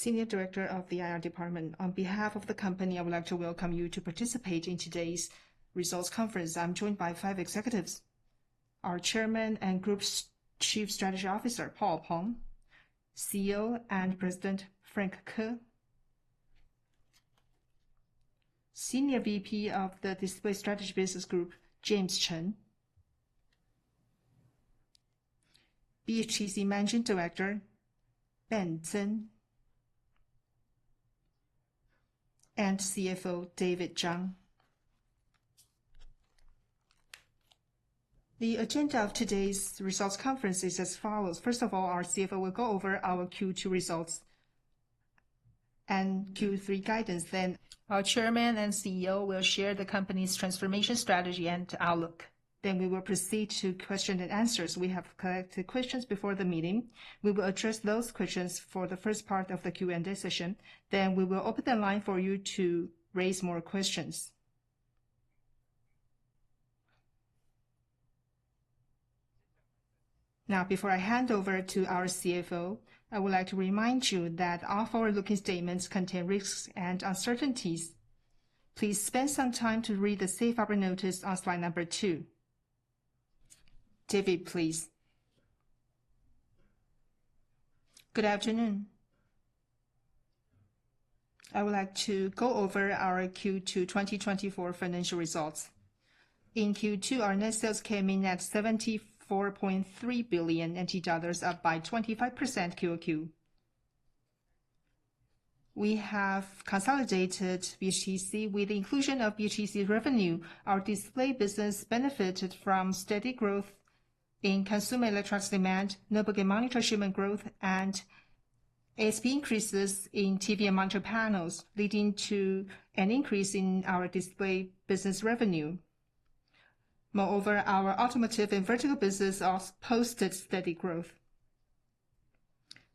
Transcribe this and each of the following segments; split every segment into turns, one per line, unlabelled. Senior Director of the IR Department. On behalf of the company, I would like to welcome you to participate in today's results conference. I'm joined by five executives: our Chairman and Group Chief Strategy Officer, Paul Peng; CEO and President, Frank Ko; Senior VP of the Display Strategy Business Group, James Chen; BHTC Managing Director, Ben Tseng, and CFO, David Chang. The agenda of today's results conference is as follows. First of all, our CFO will go over our Q2 results and Q3 guidance. Then our Chairman and CEO will share the company's transformation strategy and outlook. Then we will proceed to questions and answers. We have collected questions before the meeting. We will address those questions for the first part of the Q&A session. Then we will open the line for you to raise more questions. Now, before I hand over to our CFO, I would like to remind you that all forward-looking statements contain risks and uncertainties. Please spend some time to read the safe operating notice on slide number two. David, please. Good afternoon. I would like to go over our Q2 2024 financial results. In Q2, our net sales came in at $74.3 billion, up by 25% QoQ. We have consolidated BHTC. With the inclusion of BHTC's revenue, our display business benefited from steady growth in consumer electronics demand, notebook monitor shipment growth, and ASP increases in TV and monitor panels, leading to an increase in our display business revenue. Moreover, our automotive and vertical business posted steady growth.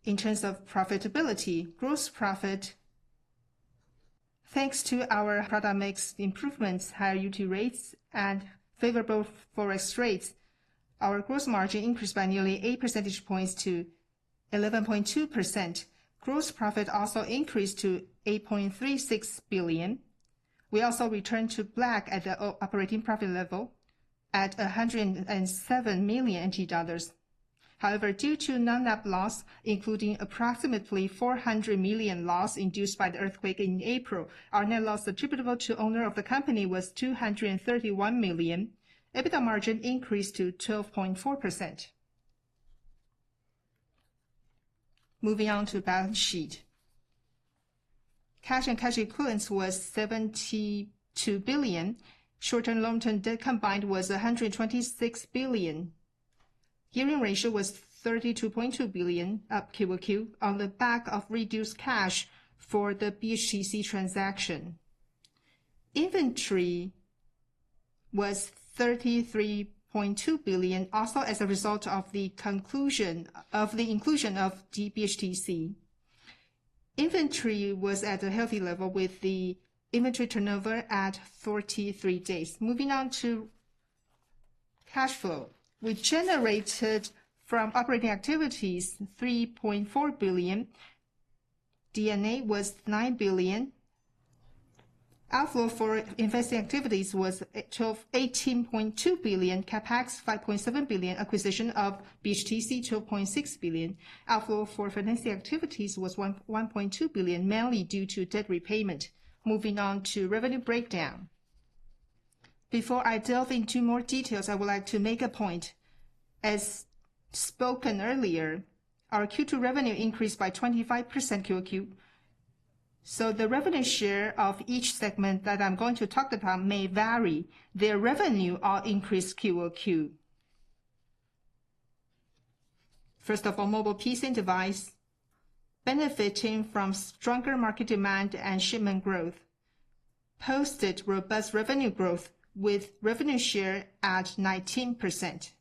In terms of profitability, gross profit, thanks to our product-mix improvements, higher UT rates, and favorable forex rates, our gross margin increased by nearly eight percentage points to 11.2%. Gross profit also increased to $8.36 billion. We also returned to black at the operating profit level at $107 million. However, due to non-net loss, including approximately $400 million loss induced by the earthquake in April, our net loss attributable to the owner of the company was $231 million. EBITDA margin increased to 12.4%. Moving on to balance sheet. Cash and cash equivalents was $72 billion. Short-term and long-term debt combined was $126 billion. Gearing ratio was $32.2 billion up QoQ on the back of reduced cash for the BHTC transaction. Inventory was $33.2 billion, also as a result of the inclusion of the BHTC. Inventory was at a healthy level with the inventory turnover at 43 days. Moving on to cash flow. We generated from operating activities $3.4 billion. D&A was $9 billion. Outflow for investing activities was $18.2 billion. CapEx was $5.7 billion. Acquisition of BHTC was $12.6 billion. Outflow for financing activities was $1.2 billion, mainly due to debt repayment. Moving on to revenue breakdown. Before I delve into more details, I would like to make a point. As spoken earlier, our Q2 revenue increased by 25% QoQ. So the revenue share of each segment that I'm going to talk about may vary. Their revenue all increased QoQ. First of all, mobile PC and device benefiting from stronger market demand and shipment growth posted robust revenue growth with revenue share at 19%.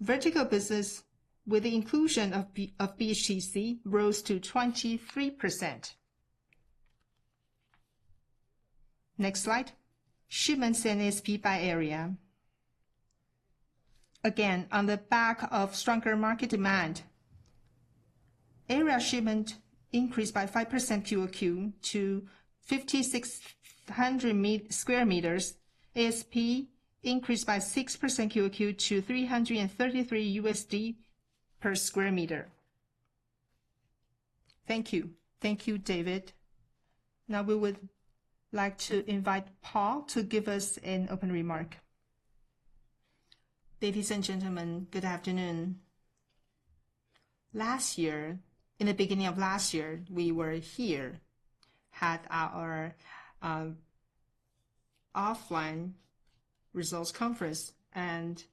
Vertical business with the inclusion of BHTC rose to 23%. Next slide. Shipments and ASP by area. Again, on the back of stronger market demand, area shipment increased by 5% QoQ to 5,600 square meters. ASP increased by 6% QoQ to $333 per square meter. Thank you. Thank you, David. Now, we would like to invite Paul to give us an open remark. Ladies and gentlemen, good afternoon. Last year, in the beginning of last year, we were here, had our offline results conference, and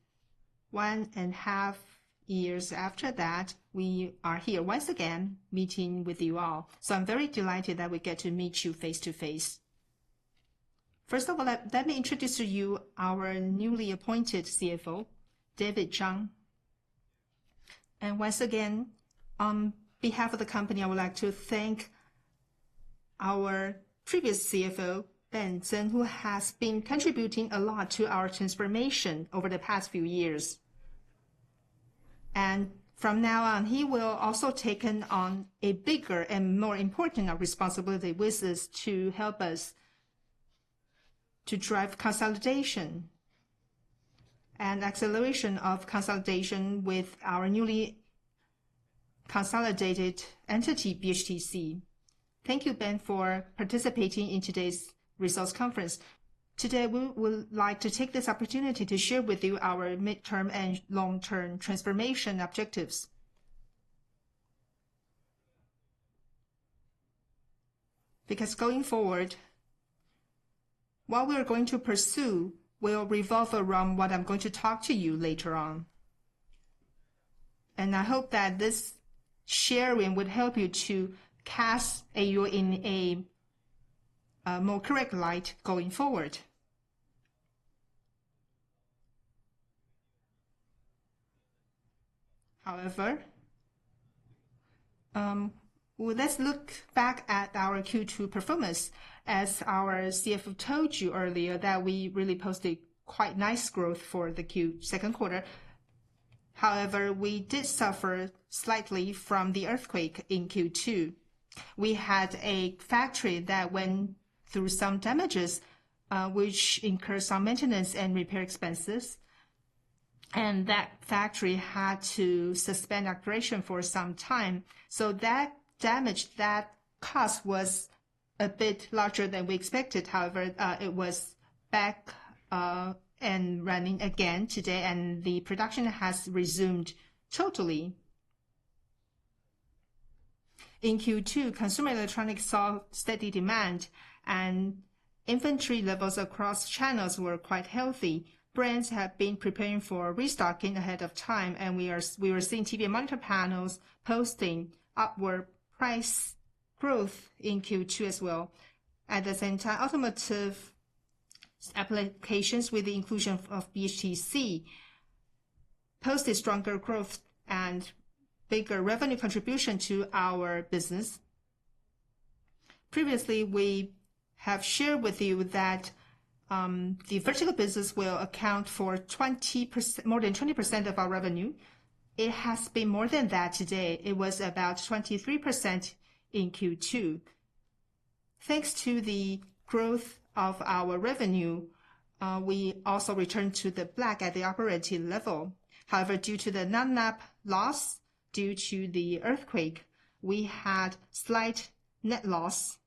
one and a half years after that, we are here once again meeting with you all. So I'm very delighted that we get to meet you face to face. First of all, let me introduce to you our newly appointed CFO, David Chang. And once again, on behalf of the company, I would like to thank our previous CFO, Ben Tseng, who has been contributing a lot to our transformation over the past few years. And from now on, he will also take on a bigger and more important responsibility with us to help us to drive consolidation and acceleration of consolidation with our newly consolidated entity, BHTC. Thank you, Ben, for participating in today's results conference. Today, we would like to take this opportunity to share with you our midterm and long-term transformation objectives. Because going forward, what we are going to pursue will revolve around what I'm going to talk to you later on. I hope that this sharing would help you to cast you in a more correct light going forward. However, let's look back at our Q2 performance. As our CFO told you earlier, that we really posted quite nice growth for the second quarter. However, we did suffer slightly from the earthquake in Q2. We had a factory that went through some damages, which incurred some maintenance and repair expenses. And that factory had to suspend operation for some time. So that damage, that cost was a bit larger than we expected. However, it was back and running again today, and the production has resumed totally. In Q2, consumer electronics saw steady demand, and inventory levels across channels were quite healthy. Brands have been preparing for restocking ahead of time, and we were seeing TV and monitor panels posting upward price growth in Q2 as well. At the same time, automotive applications with the inclusion of BHTC posted stronger growth and bigger revenue contribution to our business. Previously, we have shared with you that the vertical business will account for more than 20% of our revenue. It has been more than that today. It was about 23% in Q2. Thanks to the growth of our revenue, we also returned to the black at the operating level. However, due to the non-operating loss due to the earthquake, we had slight net loss.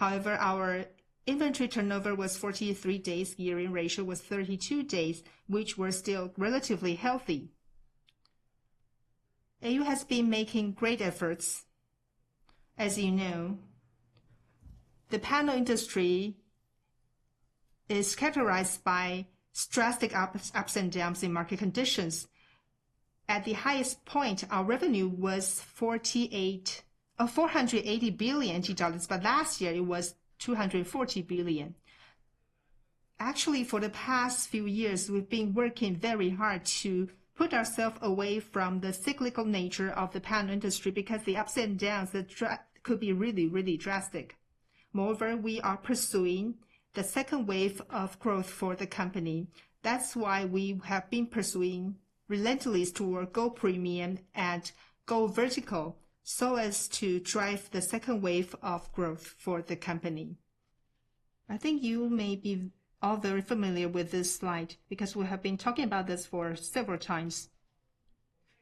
However, our inventory turnover was 43 days. Gearing ratio was 32 days, which were still relatively healthy. AUO has been making great efforts. As you know, the panel industry is characterized by drastic ups and downs in market conditions. At the highest point, our revenue was $480 billion, but last year, it was $240 billion. Actually, for the past few years, we've been working very hard to put ourselves away from the cyclical nature of the panel industry because the ups and downs could be really, really drastic. Moreover, we are pursuing the second wave of growth for the company. That's why we have been pursuing relentless toward Go Premium and Go Vertical so as to drive the second wave of growth for the company. I think you may be all very familiar with this slide because we have been talking about this for several times.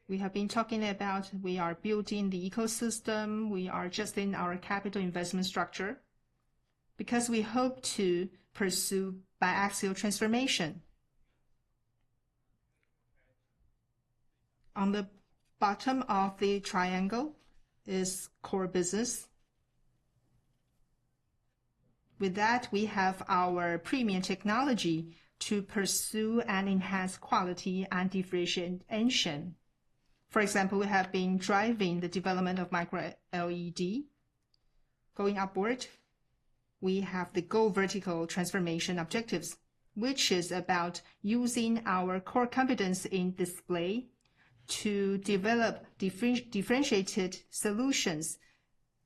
We have been talking about we are building the ecosystem. We are adjusting our capital investment structure because we hope to pursue bi-axial transformation. On the bottom of the triangle is core business. With that, we have our premium technology to pursue and enhance quality and differentiation. For example, we have been driving the development of Micro-LED. Going upward, we have the Go Vertical transformation objectives, which is about using our core competence in display to develop differentiated solutions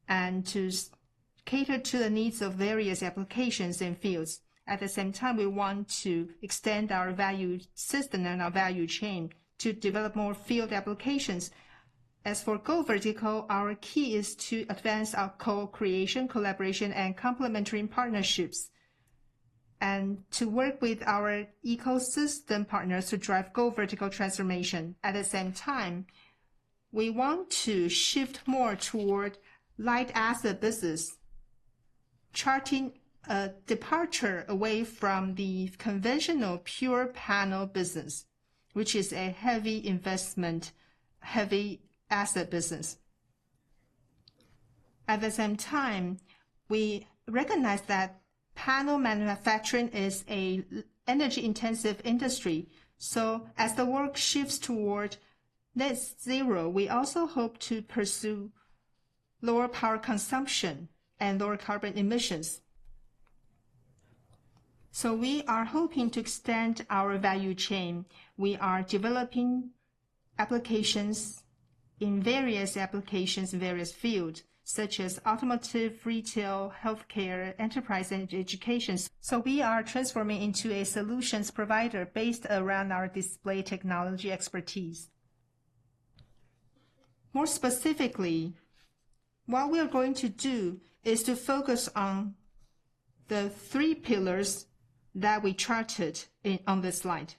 and to cater to the needs of various applications and fields. At the same time, we want to extend our value system and our value chain to develop more field applications. As for Go Vertical, our key is to advance our co-creation, collaboration, and complementary partnerships and to work with our ecosystem partners to drive Go Vertical transformation. At the same time, we want to shift more toward light asset business, charting a departure away from the conventional pure panel business, which is a heavy investment, heavy asset business. At the same time, we recognize that panel manufacturing is an energy-intensive industry. So as the work shifts toward net zero, we also hope to pursue lower power consumption and lower carbon emissions. So we are hoping to extend our value chain. We are developing applications in various applications in various fields, such as automotive, retail, healthcare, enterprise, and education. So we are transforming into a solutions provider based around our display technology expertise. More specifically, what we are going to do is to focus on the three pillars that we charted on this slide.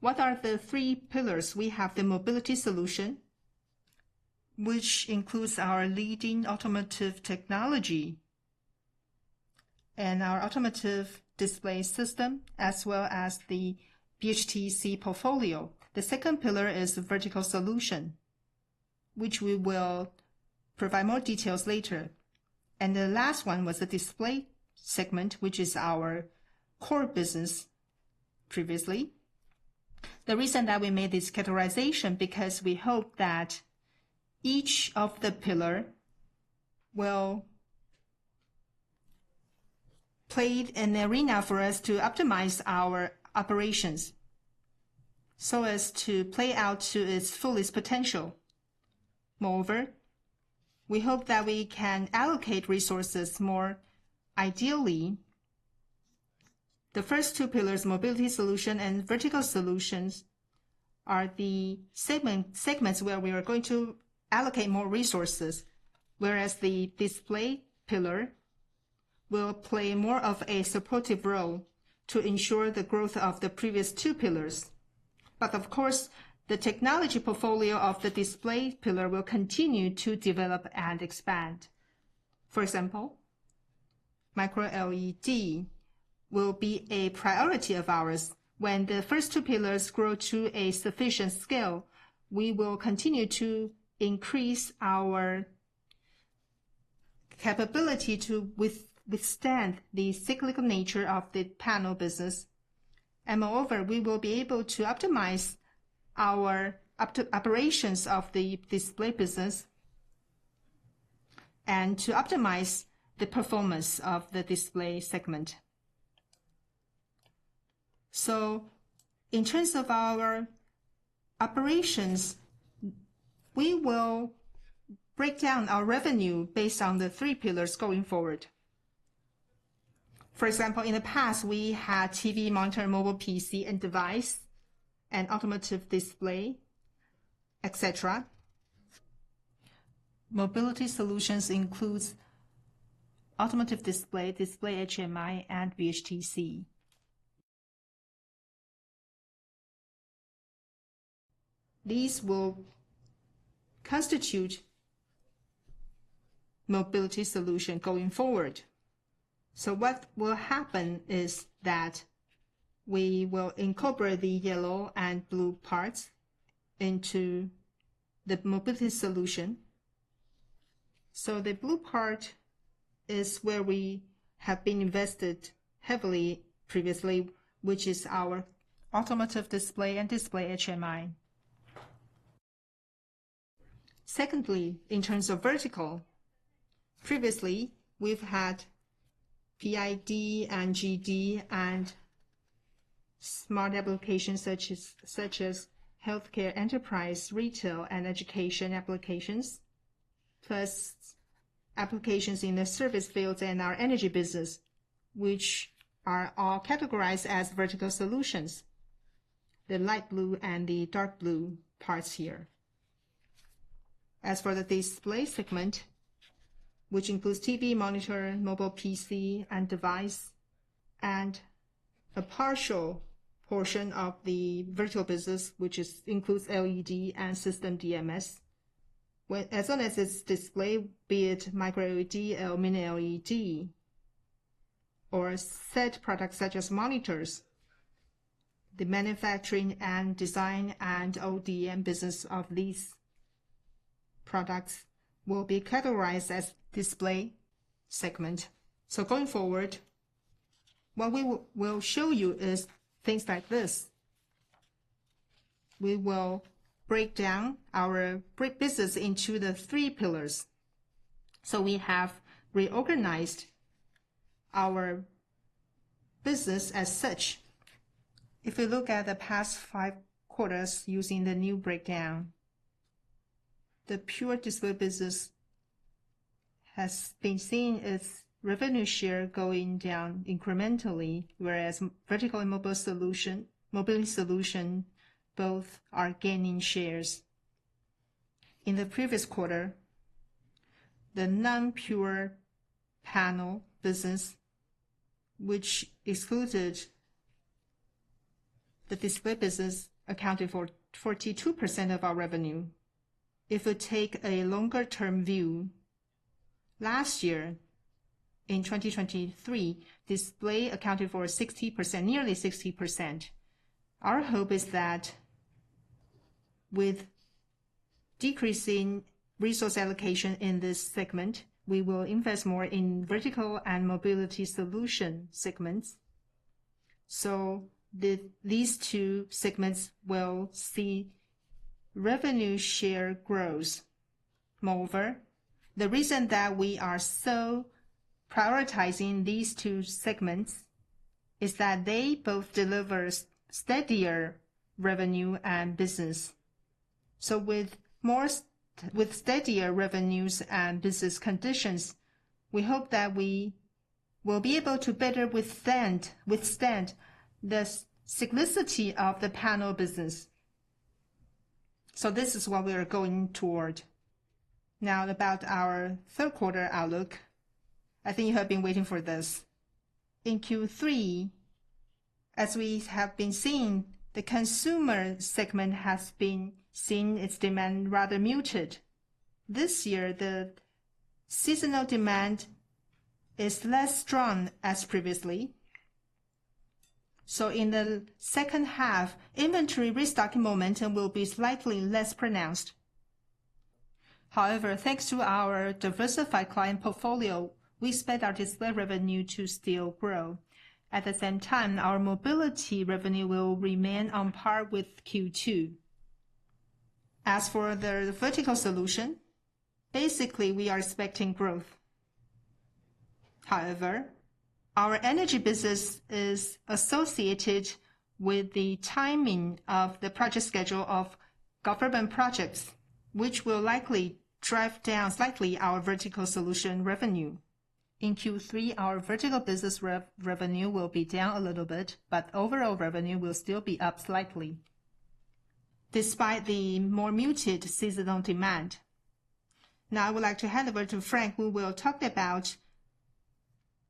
What are the three pillars? We have the mobility solution, which includes our leading automotive technology and our automotive display system, as well as the BHTC portfolio. The second pillar is vertical solution, which we will provide more details later. The last one was a display segment, which is our core business previously. The reason that we made this categorization is because we hope that each of the pillars will play an arena for us to optimize our operations so as to play out to its fullest potential. Moreover, we hope that we can allocate resources more ideally. The first two pillars, mobility solution and vertical solutions, are the segments where we are going to allocate more resources, whereas the display pillar will play more of a supportive role to ensure the growth of the previous two pillars. Of course, the technology portfolio of the display pillar will continue to develop and expand. For example, micro-LED will be a priority of ours. When the first two pillars grow to a sufficient scale, we will continue to increase our capability to withstand the cyclical nature of the panel business. Moreover, we will be able to optimize our operations of the display business and to optimize the performance of the display segment. In terms of our operations, we will break down our revenue based on the three pillars going forward. For example, in the past, we had TV, monitor, mobile PC and device, and automotive display, etc. Mobility solutions include automotive display, display HMI, and BHTC. These will constitute mobility solutions going forward. What will happen is that we will incorporate the yellow and blue parts into the mobility solution. The blue part is where we have been invested heavily previously, which is our automotive display and display HMI. Secondly, in terms of vertical, previously, we've had PID and GD and smart applications such as healthcare, enterprise, retail, and education applications, plus applications in the service fields and our energy business, which are all categorized as vertical solutions, the light blue and the dark blue parts here. As for the display segment, which includes TV, monitor, mobile PC, and device, and a partial portion of the vertical business, which includes LED and system DMS, as well as its display, be it micro-LED or mini-LED, or said products such as monitors, the manufacturing and design and ODM business of these products will be categorized as display segment. So going forward, what we will show you is things like this. We will break down our business into the three pillars. So we have reorganized our business as such. If we look at the past five quarters using the new breakdown, the pure display business has been seeing its revenue share going down incrementally, whereas vertical and mobile solution both are gaining shares. In the previous quarter, the non-pure panel business, which excluded the display business, accounted for 42% of our revenue. If we take a longer-term view, last year, in 2023, display accounted for 60%, nearly 60%. Our hope is that with decreasing resource allocation in this segment, we will invest more in vertical and mobility solution segments. So these two segments will see revenue share growth. Moreover, the reason that we are so prioritizing these two segments is that they both deliver steadier revenue and business. So with steadier revenues and business conditions, we hope that we will be able to better withstand the cyclicity of the panel business. So this is what we are going toward. Now, about our third-quarter outlook, I think you have been waiting for this. In Q3, as we have been seeing, the consumer segment has been seeing its demand rather muted. This year, the seasonal demand is less strong as previously. So in the second half, inventory restocking momentum will be slightly less pronounced. However, thanks to our diversified client portfolio, we expect our display revenue to still grow. At the same time, our mobility revenue will remain on par with Q2. As for the vertical solution, basically, we are expecting growth. However, our energy business is associated with the timing of the project schedule of government projects, which will likely drive down slightly our vertical solution revenue. In Q3, our vertical business revenue will be down a little bit, but overall revenue will still be up slightly despite the more muted seasonal demand. Now, I would like to hand over to Frank, who will talk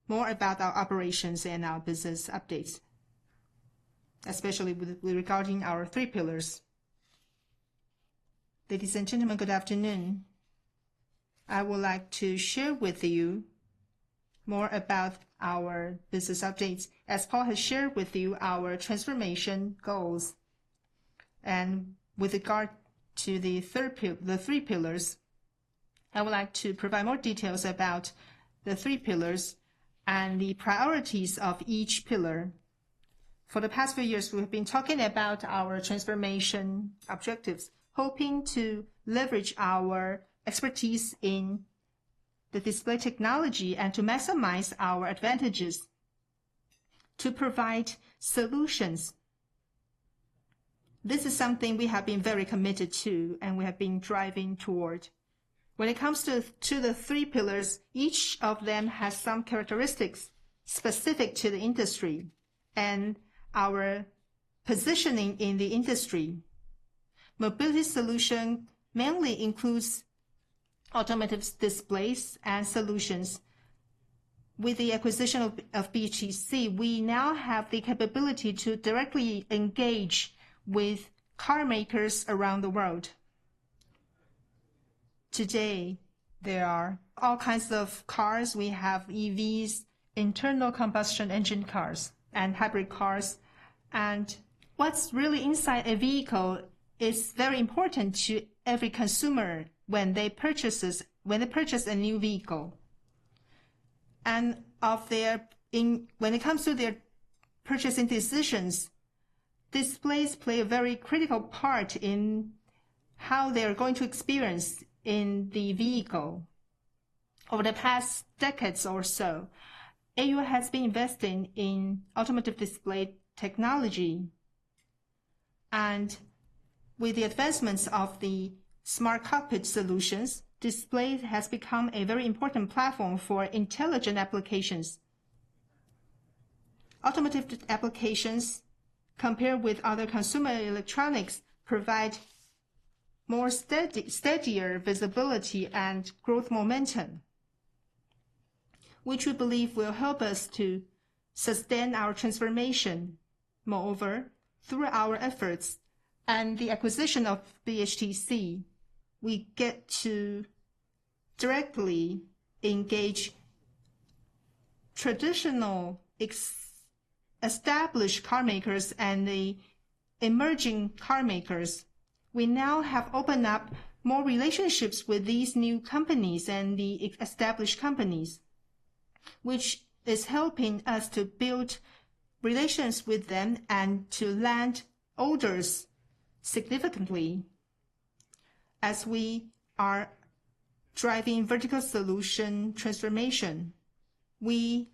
more about our operations and our business updates, especially regarding our three pillars. Ladies and gentlemen, good afternoon. I would like to share with you more about our business updates. As Paul has shared with you our transformation goals, and with regard to the three pillars, I would like to provide more details about the three pillars and the priorities of each pillar. For the past few years, we have been talking about our transformation objectives, hoping to leverage our expertise in the display technology and to maximize our advantages to provide solutions. This is something we have been very committed to and we have been driving toward. When it comes to the three pillars, each of them has some characteristics specific to the industry and our positioning in the industry. Mobility solution mainly includes automotive displays and solutions. With the acquisition of BHTC, we now have the capability to directly engage with car makers around the world. Today, there are all kinds of cars. We have EVs, internal combustion engine cars, and hybrid cars. What's really inside a vehicle is very important to every consumer when they purchase a new vehicle. When it comes to their purchasing decisions, displays play a very critical part in how they are going to experience in the vehicle. Over the past decades or so, AUO has been investing in automotive display technology. With the advancements of the smart cockpit solutions, display has become a very important platform for intelligent applications. Automotive applications, compared with other consumer electronics, provide more steadier visibility and growth momentum, which we believe will help us to sustain our transformation. Moreover, through our efforts and the acquisition of BHTC, we get to directly engage traditional established car makers and the emerging car makers. We now have opened up more relationships with these new companies and the established companies, which is helping us to build relations with them and to land orders significantly. As we are driving vertical solution transformation, we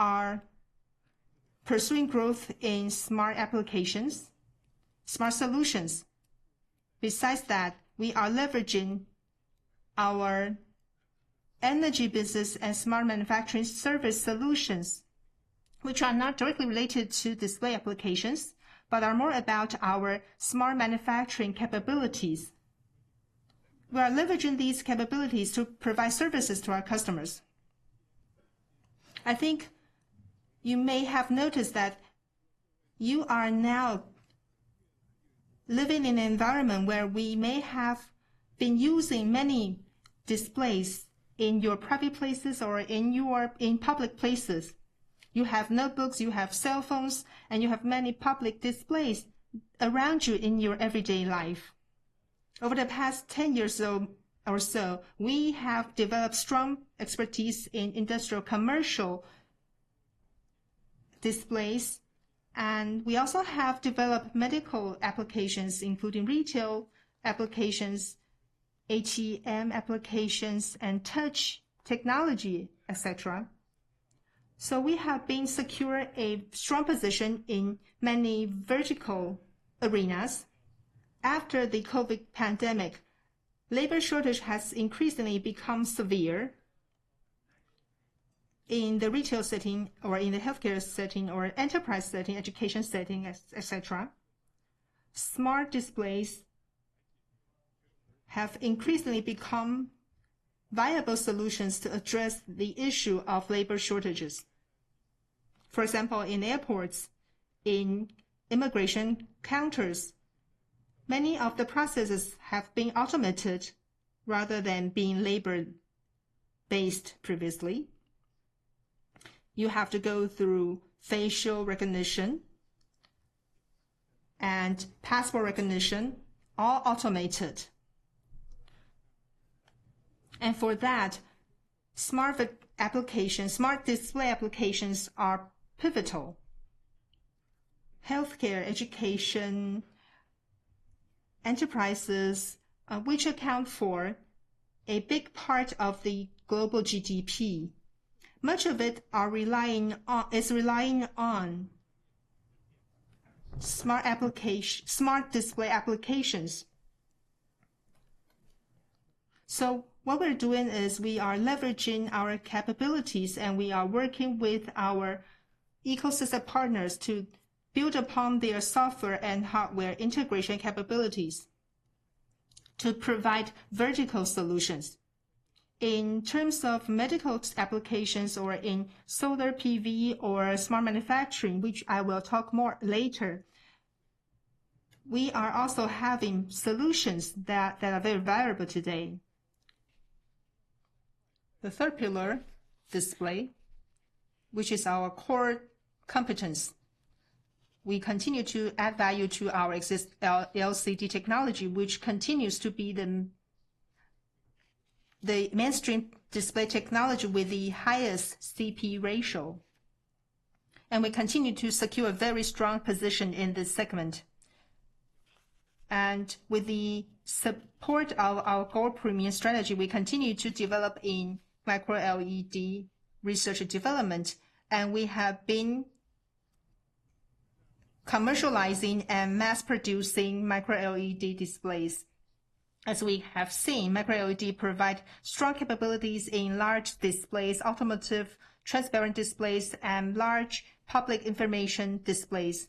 are pursuing growth in smart applications, smart solutions. Besides that, we are leveraging our energy business and smart manufacturing service solutions, which are not directly related to display applications but are more about our smart manufacturing capabilities. We are leveraging these capabilities to provide services to our customers. I think you may have noticed that you are now living in an environment where we may have been using many displays in your private places or in public places. You have notebooks, you have cell phones, and you have many public displays around you in your everyday life. Over the past 10 years or so, we have developed strong expertise in industrial commercial displays, and we also have developed medical applications, including retail applications, HMI applications, and touch technology, etc. So we have been securing a strong position in many vertical arenas. After the COVID pandemic, labor shortage has increasingly become severe in the retail setting or in the healthcare setting or enterprise setting, education setting, etc. Smart displays have increasingly become viable solutions to address the issue of labor shortages. For example, in airports, in immigration counters, many of the processes have been automated rather than being labor-based previously. You have to go through facial recognition and passport recognition, all automated. And for that, smart display applications are pivotal. Healthcare, education, enterprises, which account for a big part of the global GDP, much of it is relying on smart display applications. So what we're doing is we are leveraging our capabilities, and we are working with our ecosystem partners to build upon their software and hardware integration capabilities to provide vertical solutions. In terms of medical applications or in solar PV or smart manufacturing, which I will talk more later, we are also having solutions that are very viable today. The third pillar, display, which is our core competence. We continue to add value to our existing LCD technology, which continues to be the mainstream display technology with the highest CP ratio. And we continue to secure a very strong position in this segment. With the support of our Go Premium strategy, we continue to develop micro LED research and development, and we have been commercializing and mass-producing Micro-LED displays. As we have seen, micro LED provides strong capabilities in large displays, automotive, transparent displays, and large public information displays.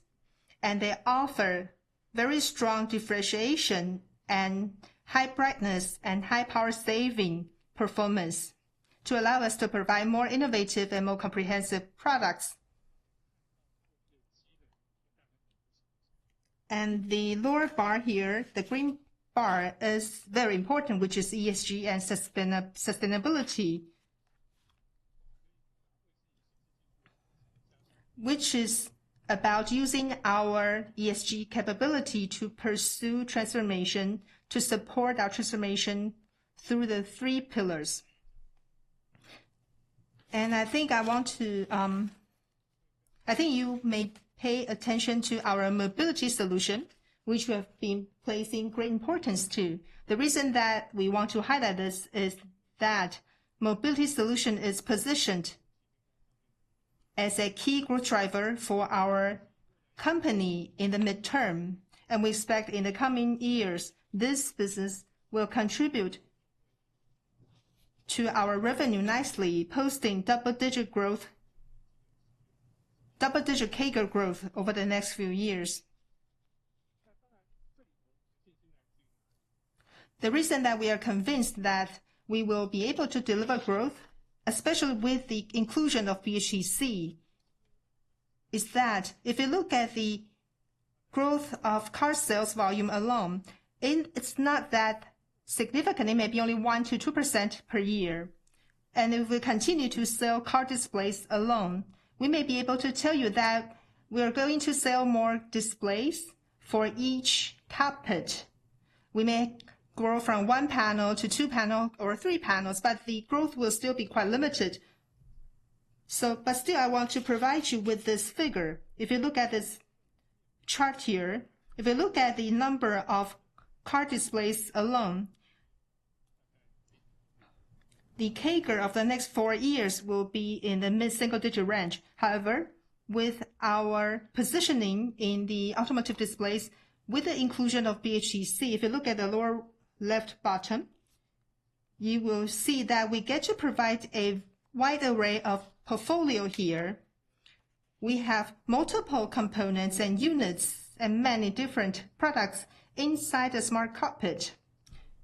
They offer very strong differentiation and high brightness and high power saving performance to allow us to provide more innovative and more comprehensive products. The lower bar here, the green bar, is very important, which is ESG and sustainability, which is about using our ESG capability to pursue transformation to support our transformation through the three pillars. I think you may pay attention to our mobility solution, which we have been placing great importance to. The reason that we want to highlight this is that mobility solution is positioned as a key growth driver for our company in the midterm, and we expect in the coming years this business will contribute to our revenue nicely, posting double-digit CAGR growth over the next few years. The reason that we are convinced that we will be able to deliver growth, especially with the inclusion of BHTC, is that if you look at the growth of car sales volume alone, it's not that significant. It may be only 1%-2% per year. And if we continue to sell car displays alone, we may be able to tell you that we are going to sell more displays for each cockpit. We may grow from one panel to two panels or three panels, but the growth will still be quite limited. But still, I want to provide you with this figure. If you look at this chart here, if you look at the number of car displays alone, the CAGR of the next four years will be in the mid-single-digit range. However, with our positioning in the automotive displays, with the inclusion of BHTC, if you look at the lower left bottom, you will see that we get to provide a wide array of portfolio here. We have multiple components and units and many different products inside the smart cockpit.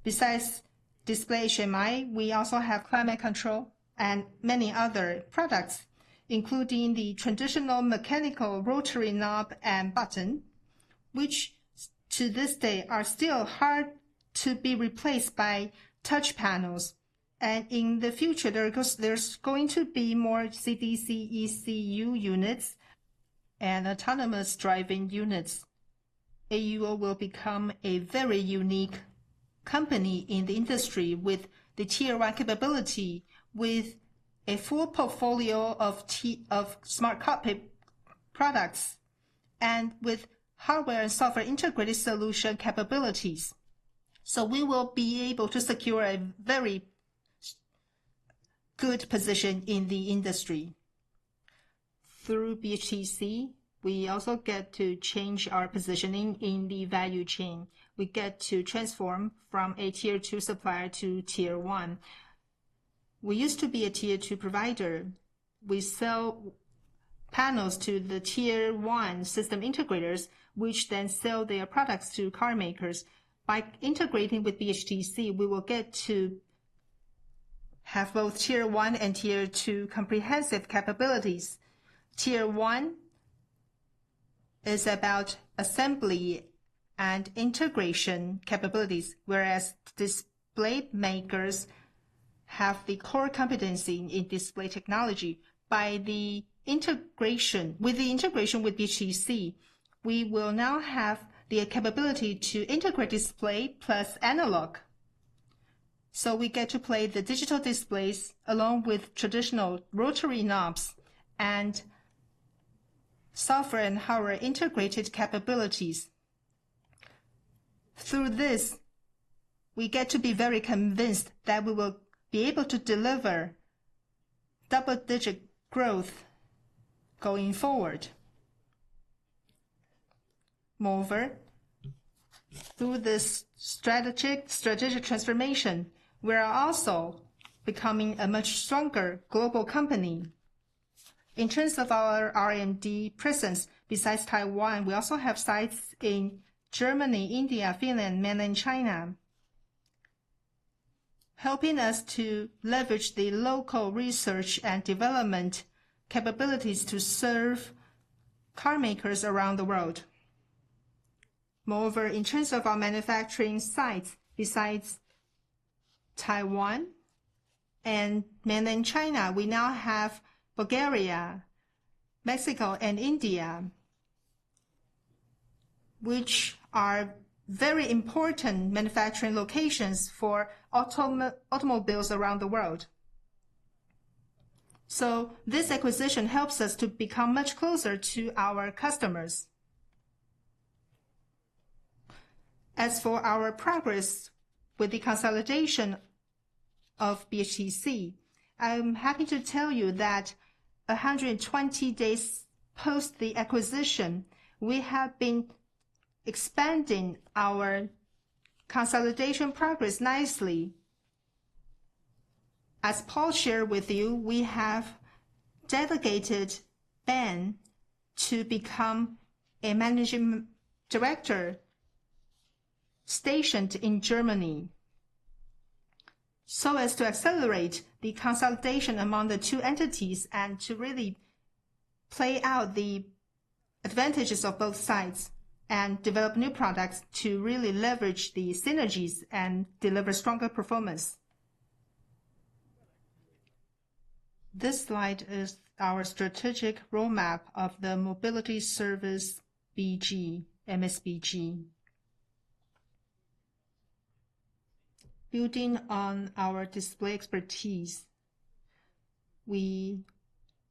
Besides display HMI, we also have climate control and many other products, including the traditional mechanical rotary knob and button, which to this day are still hard to be replaced by touch panels. And in the future, there's going to be more CDC ECU units and autonomous driving units. AUO will become a very unique company in the industry with the Tier capability, with a full portfolio of smart cockpit products, and with hardware and software integrated solution capabilities. So we will be able to secure a very good position in the industry. Through BHTC, we also get to change our positioning in the value chain. We get to transform from a tier two supplier to tier one. We used to be a tier two provider. We sell panels to the tier one system integrators, which then sell their products to car makers. By integrating with BHTC, we will get to have both tier one and tier two comprehensive capabilities. Tier one is about assembly and integration capabilities, whereas display makers have the core competency in display technology. With the integration with BHTC, we will now have the capability to integrate display plus analog. So we get to play the digital displays along with traditional rotary knobs and software and hardware integrated capabilities. Through this, we get to be very convinced that we will be able to deliver double-digit growth going forward. Moreover, through this strategic transformation, we are also becoming a much stronger global company. In terms of our R&D presence, besides Taiwan, we also have sites in Germany, India, Finland, Mainland China, helping us to leverage the local research and development capabilities to serve car makers around the world. Moreover, in terms of our manufacturing sites, besides Taiwan and Mainland China, we now have Bulgaria, Mexico, and India, which are very important manufacturing locations for automobiles around the world. So this acquisition helps us to become much closer to our customers. As for our progress with the consolidation of BHTC, I'm happy to tell you that 120 days post the acquisition, we have been expanding our consolidation progress nicely. As Paul shared with you, we have dedicated Ben to become a managing director stationed in Germany so as to accelerate the consolidation among the two entities and to really play out the advantages of both sides and develop new products to really leverage the synergies and deliver stronger performance. This slide is our strategic roadmap of the mobility service BG MSBG. Building on our display expertise, we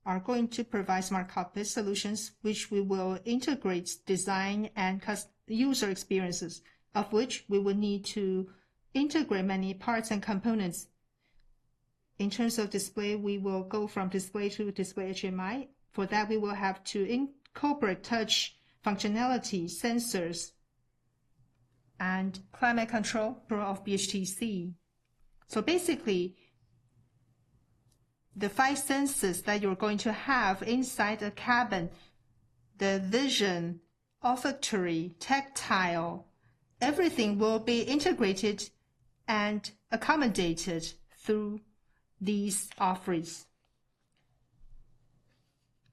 are going to provide Smart Cockpit solutions, which we will integrate design and user experiences, of which we will need to integrate many parts and components. In terms of display, we will go from display to Display HMI. For that, we will have to incorporate touch functionality, sensors, and climate control. Pro of BHTC. So basically, the five senses that you're going to have inside a cabin, the vision, olfactory, tactile, everything will be integrated and accommodated through these offerings.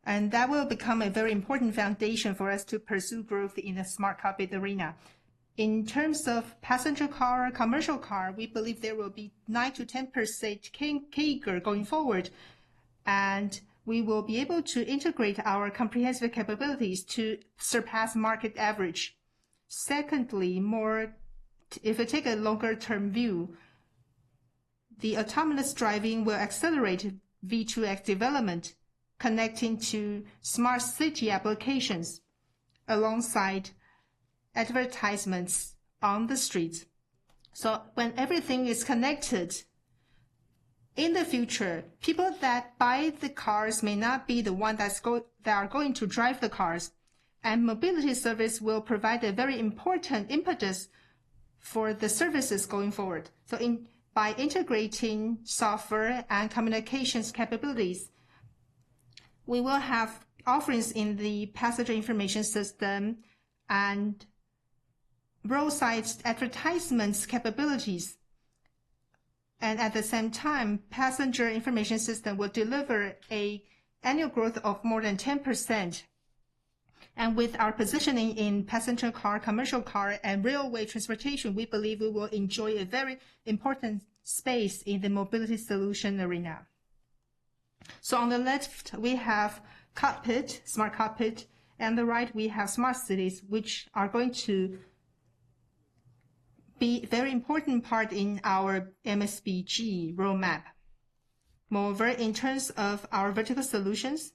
And that will become a very important foundation for us to pursue growth in the smart cockpit arena. In terms of passenger car, commercial car, we believe there will be 9%-10% CAGR going forward, and we will be able to integrate our comprehensive capabilities to surpass market average. Secondly, if we take a longer-term view, the autonomous driving will accelerate V2X development, connecting to smart city applications alongside advertisements on the streets. So when everything is connected, in the future, people that buy the cars may not be the ones that are going to drive the cars, and mobility service will provide a very important impetus for the services going forward. By integrating software and communications capabilities, we will have offerings in the passenger information system and roadside advertisements capabilities. At the same time, passenger information system will deliver an annual growth of more than 10%. With our positioning in passenger car, commercial car, and railway transportation, we believe we will enjoy a very important space in the mobility solution arena. On the left, we have cockpit, smart cockpit, and on the right, we have smart cities, which are going to be a very important part in our MSBG roadmap. Moreover, in terms of our vertical solutions,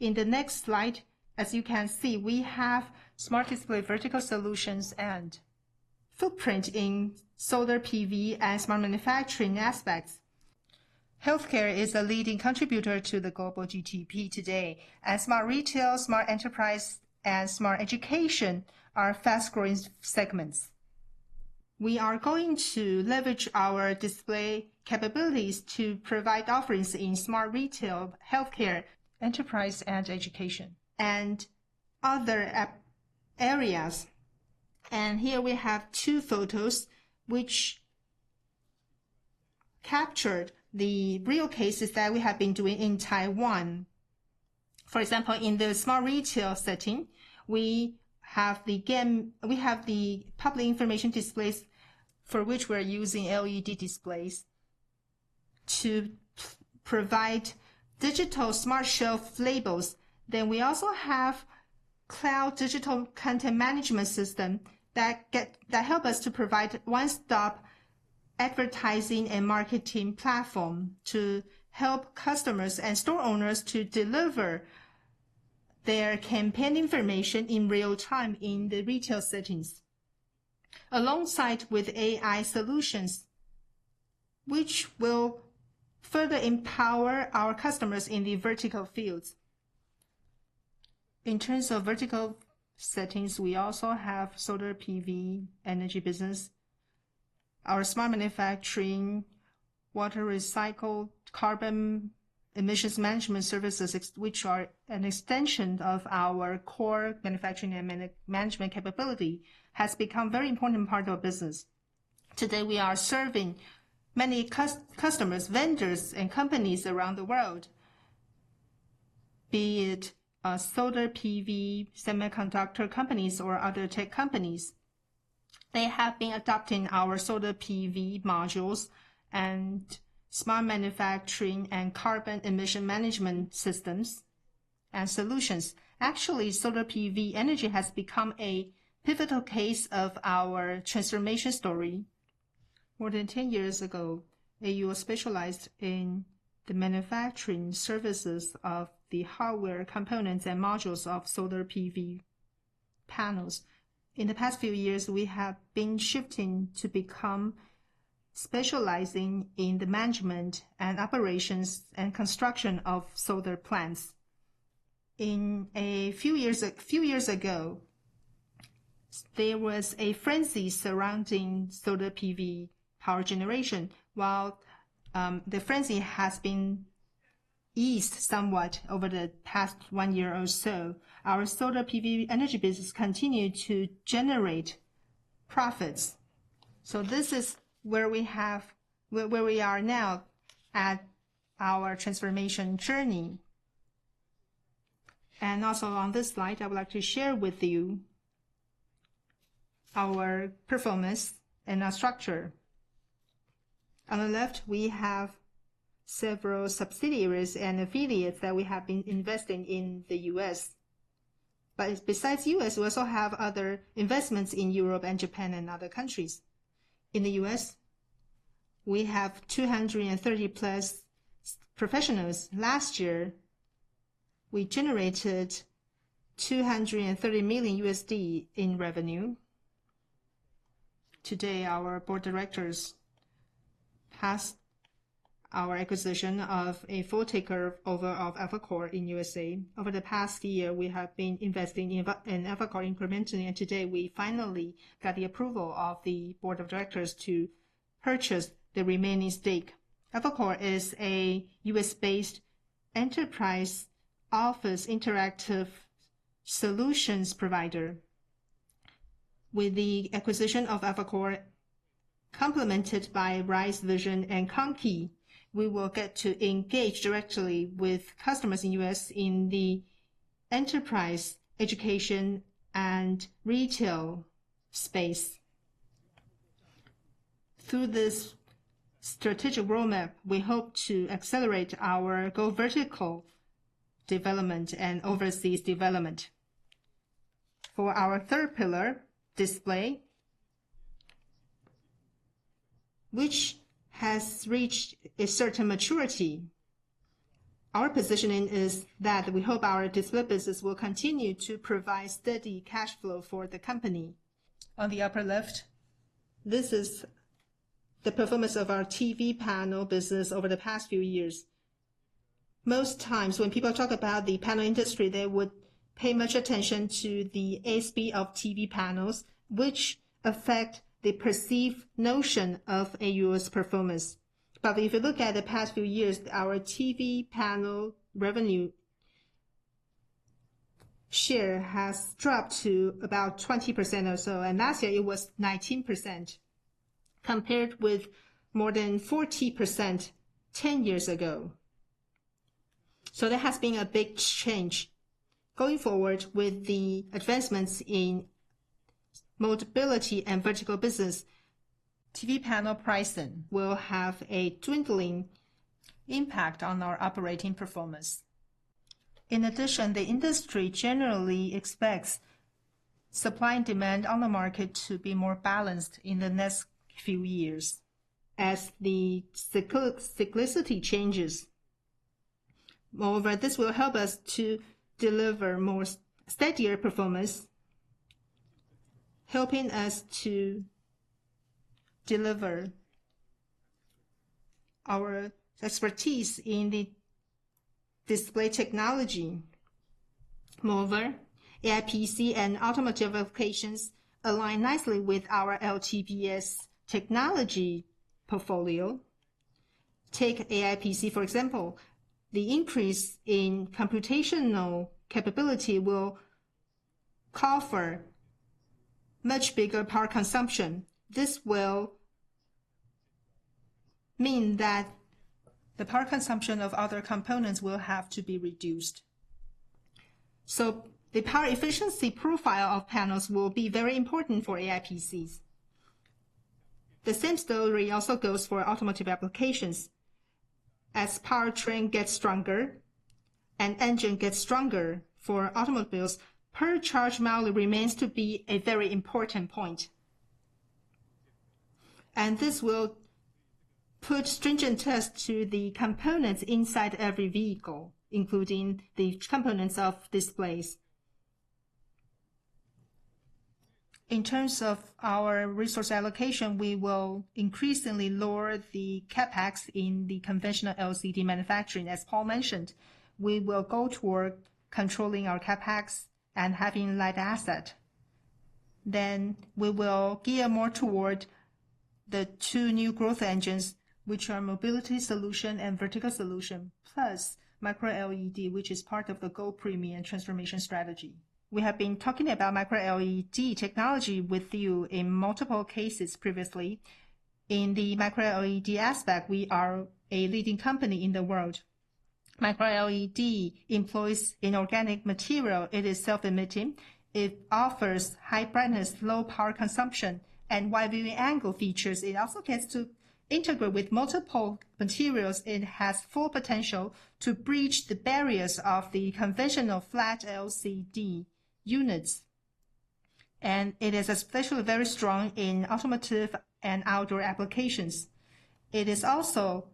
in the next slide, as you can see, we have smart display vertical solutions and footprint in solar PV and smart manufacturing aspects. Healthcare is a leading contributor to the global GDP today, and smart retail, smart enterprise, and smart education are fast-growing segments. We are going to leverage our display capabilities to provide offerings in smart retail, healthcare, enterprise, and education, and other areas. Here we have two photos which captured the real cases that we have been doing in Taiwan. For example, in the smart retail setting, we have the public information displays for which we're using LED displays to provide digital smart shelf labels. We also have cloud digital content management systems that help us to provide one-stop advertising and marketing platform to help customers and store owners to deliver their campaign information in real time in the retail settings, alongside with AI solutions, which will further empower our customers in the vertical fields. In terms of vertical settings, we also have solar PV energy business, our smart manufacturing, water recycle, carbon emissions management services, which are an extension of our core manufacturing and management capability, has become a very important part of our business. Today, we are serving many customers, vendors, and companies around the world, be it solar PV semiconductor companies or other tech companies. They have been adopting our solar PV modules and smart manufacturing and carbon emission management systems and solutions. Actually, solar PV energy has become a pivotal case of our transformation story. More than 10 years ago, AUO specialized in the manufacturing services of the hardware components and modules of solar PV panels. In the past few years, we have been shifting to become specializing in the management and operations and construction of solar plants. A few years ago, there was a frenzy surrounding solar PV power generation. While the frenzy has been eased somewhat over the past one year or so, our solar PV energy business continued to generate profits. So this is where we are now at our transformation journey. And also on this slide, I would like to share with you our performance and our structure. On the left, we have several subsidiaries and affiliates that we have been investing in the US. But besides the US, we also have other investments in Europe and Japan and other countries. In the US, we have 230+ professionals. Last year, we generated $230 million in revenue. Today, our board of directors passed our acquisition of a full takeover of Avocor in the USA. Over the past year, we have been investing in Avocor incrementally, and today we finally got the approval of the board of directors to purchase the remaining stake. Avocor is a US-based enterprise office interactive solutions provider. With the acquisition of Avocor, complemented by Rise Vision and ComQi, we will get to engage directly with customers in the US in the enterprise education and retail space. Through this strategic roadmap, we hope to accelerate our Go Vertical development and overseas development. For our third pillar, display, which has reached a certain maturity, our positioning is that we hope our display business will continue to provide steady cash flow for the company. On the upper left, this is the performance of our TV panel business over the past few years. Most times, when people talk about the panel industry, they would pay much attention to the ASP of TV panels, which affect the perceived notion of AUO's performance. But if you look at the past few years, our TV panel revenue share has dropped to about 20% or so, and last year it was 19%, compared with more than 40% 10 years ago. So there has been a big change. Going forward, with the advancements in mobility and vertical business, TV panel pricing will have a dwindling impact on our operating performance. In addition, the industry generally expects supply and demand on the market to be more balanced in the next few years as the cyclicity changes. Moreover, this will help us to deliver more steadier performance, helping us to deliver our expertise in the display technology. Moreover, AIPC and automotive applications align nicely with our LTPS technology portfolio. Take AIPC, for example. The increase in computational capability will cover much bigger power consumption. This will mean that the power consumption of other components will have to be reduced. So the power efficiency profile of panels will be very important for AIPCs. The same story also goes for automotive applications. As powertrain gets stronger and engine gets stronger for automobiles, per charge mile remains to be a very important point. And this will put stringent tests to the components inside every vehicle, including the components of displays. In terms of our resource allocation, we will increasingly lower the CapEx in the conventional LCD manufacturing. As Paul mentioned, we will go toward controlling our CapEx and having light asset. Then we will gear more toward the two new growth engines, which are mobility solution and vertical solution, plus micro-LED, which is part of the Go Premium transformation strategy. We have been talking about micro-LED technology with you in multiple cases previously. In the Micro-LED aspect, we are a leading company in the world. Micro-LED employs inorganic material. It is self-emitting. It offers high brightness, low power consumption, and wide viewing angle features. It also gets to integrate with multiple materials. It has full potential to breach the barriers of the conventional flat LCD units. It is especially very strong in automotive and outdoor applications. It is also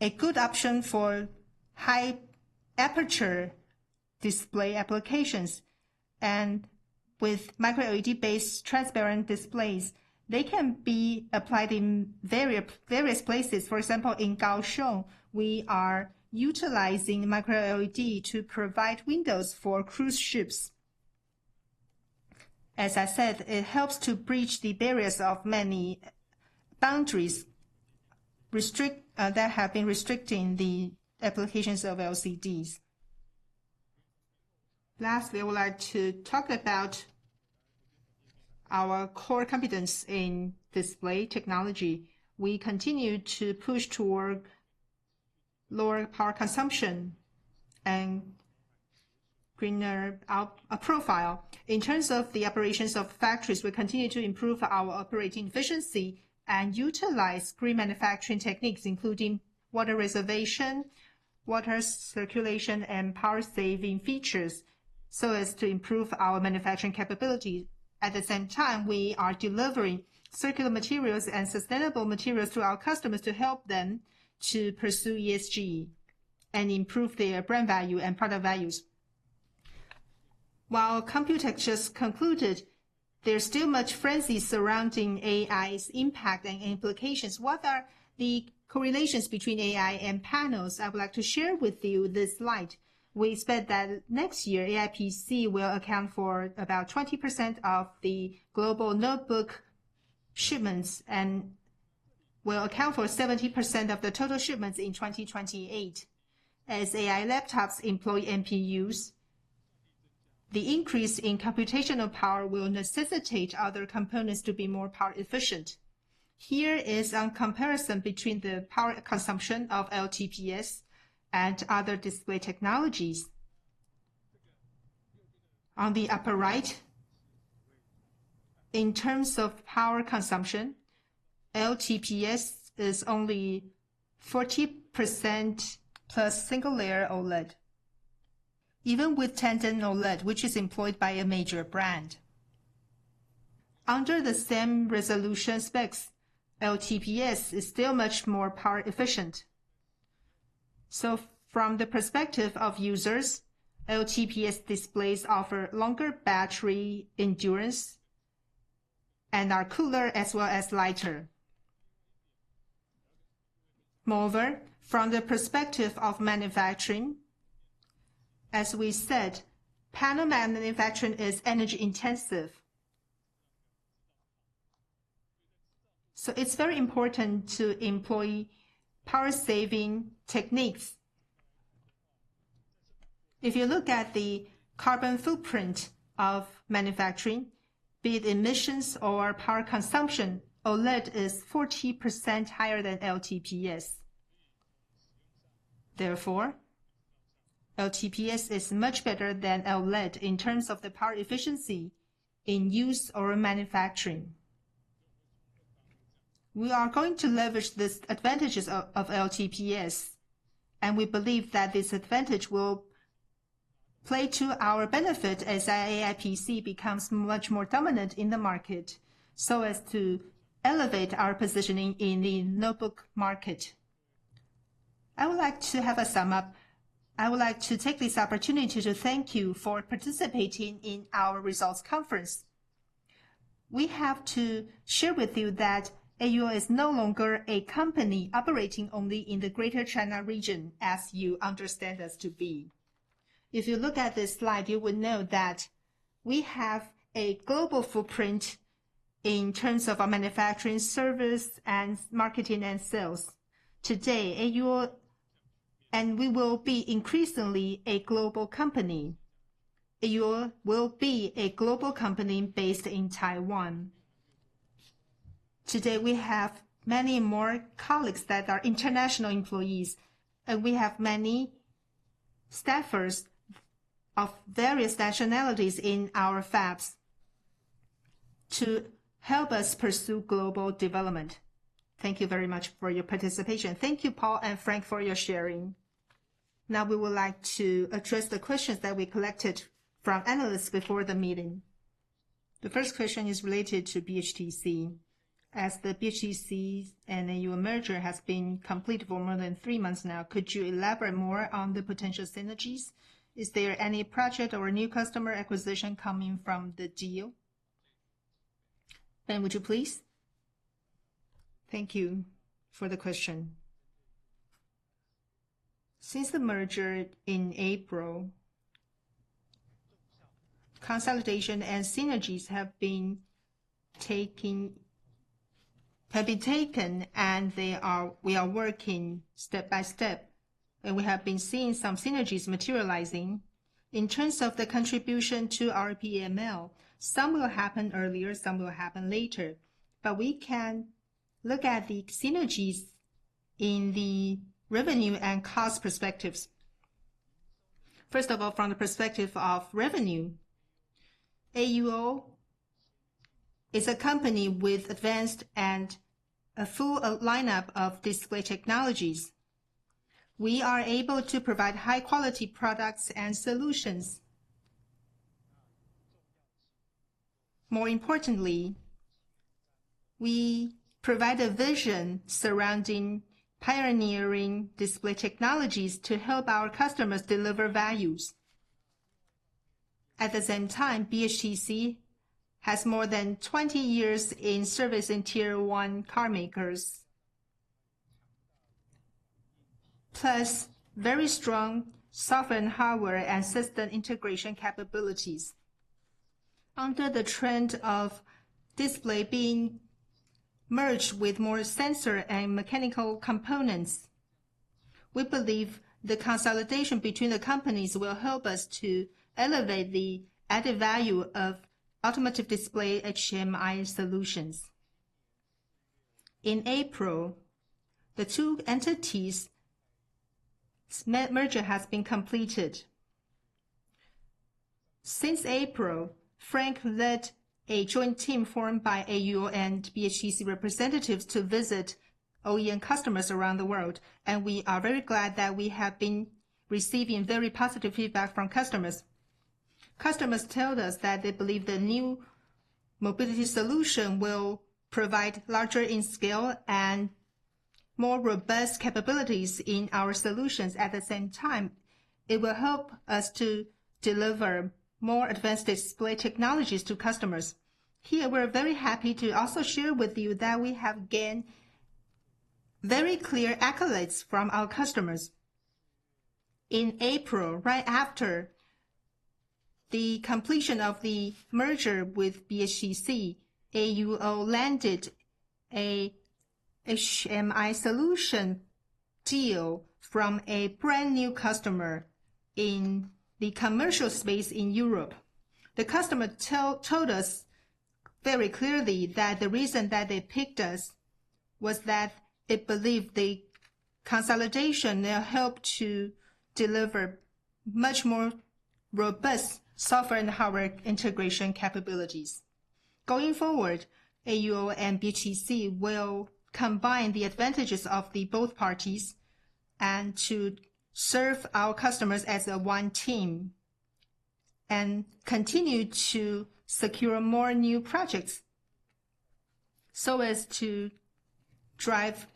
a good option for high aperture display applications. With Micro-LED-based transparent displays, they can be applied in various places. For example, in Kaohsiung, we are utilizing Micro-LED to provide windows for cruise ships. As I said, it helps to breach the barriers of many boundaries that have been restricting the applications of LCDs. Lastly, I would like to talk about our core competence in display technology. We continue to push toward lower power consumption and greener profile. In terms of the operations of factories, we continue to improve our operating efficiency and utilize green manufacturing techniques, including water reservation, water circulation, and power-saving features so as to improve our manufacturing capability. At the same time, we are delivering circular materials and sustainable materials to our customers to help them to pursue ESG and improve their brand value and product values. While COMPUTEX has just concluded, there's still much frenzy surrounding AI's impact and implications. What are the correlations between AI and panels? I would like to share with you this slide. We expect that next year, AIPC will account for about 20% of the global notebook shipments and will account for 70% of the total shipments in 2028. As AI laptops employ NPUs, the increase in computational power will necessitate other components to be more power efficient. Here is a comparison between the power consumption of LTPS and other display technologies. On the upper right, in terms of power consumption, LTPS is only 40% plus single-layer OLED, even with Tandem OLED, which is employed by a major brand. Under the same resolution specs, LTPS is still much more power efficient. So from the perspective of users, LTPS displays offer longer battery endurance and are cooler as well as lighter. Moreover, from the perspective of manufacturing, as we said, panel manufacturing is energy intensive. So it's very important to employ power-saving techniques. If you look at the carbon footprint of manufacturing, be it emissions or power consumption, OLED is 40% higher than LTPS. Therefore, LTPS is much better than OLED in terms of the power efficiency in use or manufacturing. We are going to leverage the advantages of LTPS, and we believe that this advantage will play to our benefit as AIPC becomes much more dominant in the market so as to elevate our positioning in the notebook market. I would like to have a sum up. I would like to take this opportunity to thank you for participating in our results conference. We have to share with you that AUO is no longer a company operating only in the Greater China region, as you understand us to be. If you look at this slide, you will know that we have a global footprint in terms of our manufacturing service and marketing and sales. Today, AUO, and we will be increasingly a global company. AUO will be a global company based in Taiwan. Today, we have many more colleagues that are international employees, and we have many staffers of various nationalities in our fabs to help us pursue global development. Thank you very much for your participation. Thank you, Paul and Frank, for your sharing. Now, we would like to address the questions that we collected from analysts before the meeting. The first question is related to BHTC. As the BHTC and AUO merger has been complete for more than three months now, could you elaborate more on the potential synergies? Is there any project or new customer acquisition coming from the deal? Ben, would you please? Thank you for the question. Since the merger in April, consolidation and synergies have been taken, and we are working step by step, and we have been seeing some synergies materializing. In terms of the contribution to our P&L, some will happen earlier, some will happen later, but we can look at the synergies in the revenue and cost perspectives. First of all, from the perspective of revenue, AUO is a company with advanced and a full lineup of display technologies. We are able to provide high-quality products and solutions. More importantly, we provide a vision surrounding pioneering display technologies to help our customers deliver values. At the same time, BHTC has more than 20 years in service in Tier 1 car makers, plus very strong software and hardware and system integration capabilities. Under the trend of display being merged with more sensor and mechanical components, we believe the consolidation between the companies will help us to elevate the added value of automotive display HMI solutions. In April, the two entities' merger has been completed. Since April, Frank led a joint team formed by AUO and BHTC representatives to visit OEM customers around the world, and we are very glad that we have been receiving very positive feedback from customers. Customers told us that they believe the new mobility solution will provide larger in scale and more robust capabilities in our solutions. At the same time, it will help us to deliver more advanced display technologies to customers. Here, we're very happy to also share with you that we have gained very clear accolades from our customers. In April, right after the completion of the merger with BHTC, AUO landed an HMI solution deal from a brand new customer in the commercial space in Europe. The customer told us very clearly that the reason that they picked us was that they believe the consolidation will help to deliver much more robust software and hardware integration capabilities. Going forward, AUO and BHTC will combine the advantages of both parties and serve our customers as one team and continue to secure more new projects so as to drive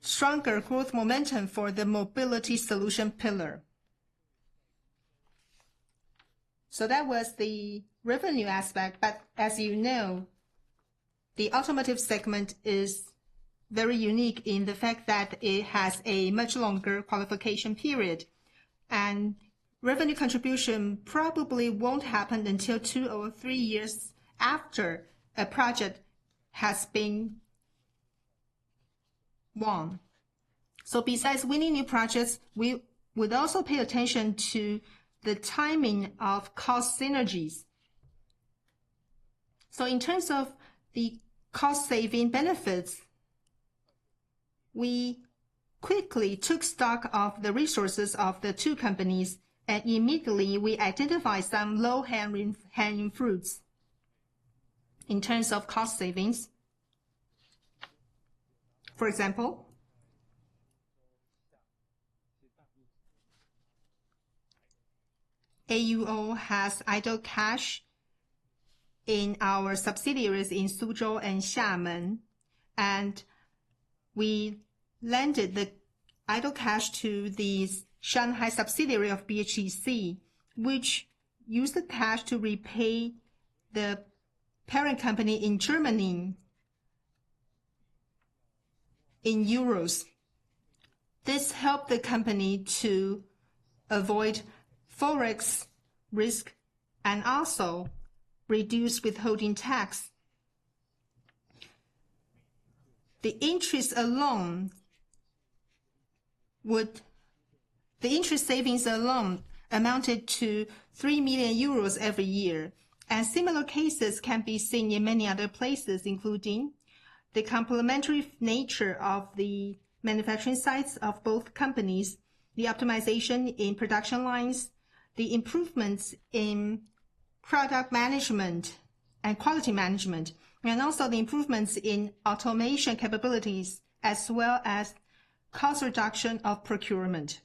stronger growth momentum for the mobility solution pillar. So that was the revenue aspect, but as you know, the automotive segment is very unique in the fact that it has a much longer qualification period, and revenue contribution probably won't happen until two or three years after a project has been won. So besides winning new projects, we would also pay attention to the timing of cost synergies. In terms of the cost-saving benefits, we quickly took stock of the resources of the two companies, and immediately we identified some low-hanging fruits in terms of cost savings. For example, AUO has idle cash in our subsidiaries in Suzhou and Xiamen, and we lended the idle cash to the Shanghai subsidiary of BHTC, which used the cash to repay the parent company in Germany in euros. This helped the company to avoid forex risk and also reduce withholding tax. The interest savings alone amounted to 3 million euros every year, and similar cases can be seen in many other places, including the complementary nature of the manufacturing sites of both companies, the optimization in production lines, the improvements in product management and quality management, and also the improvements in automation capabilities, as well as cost reduction of procurement.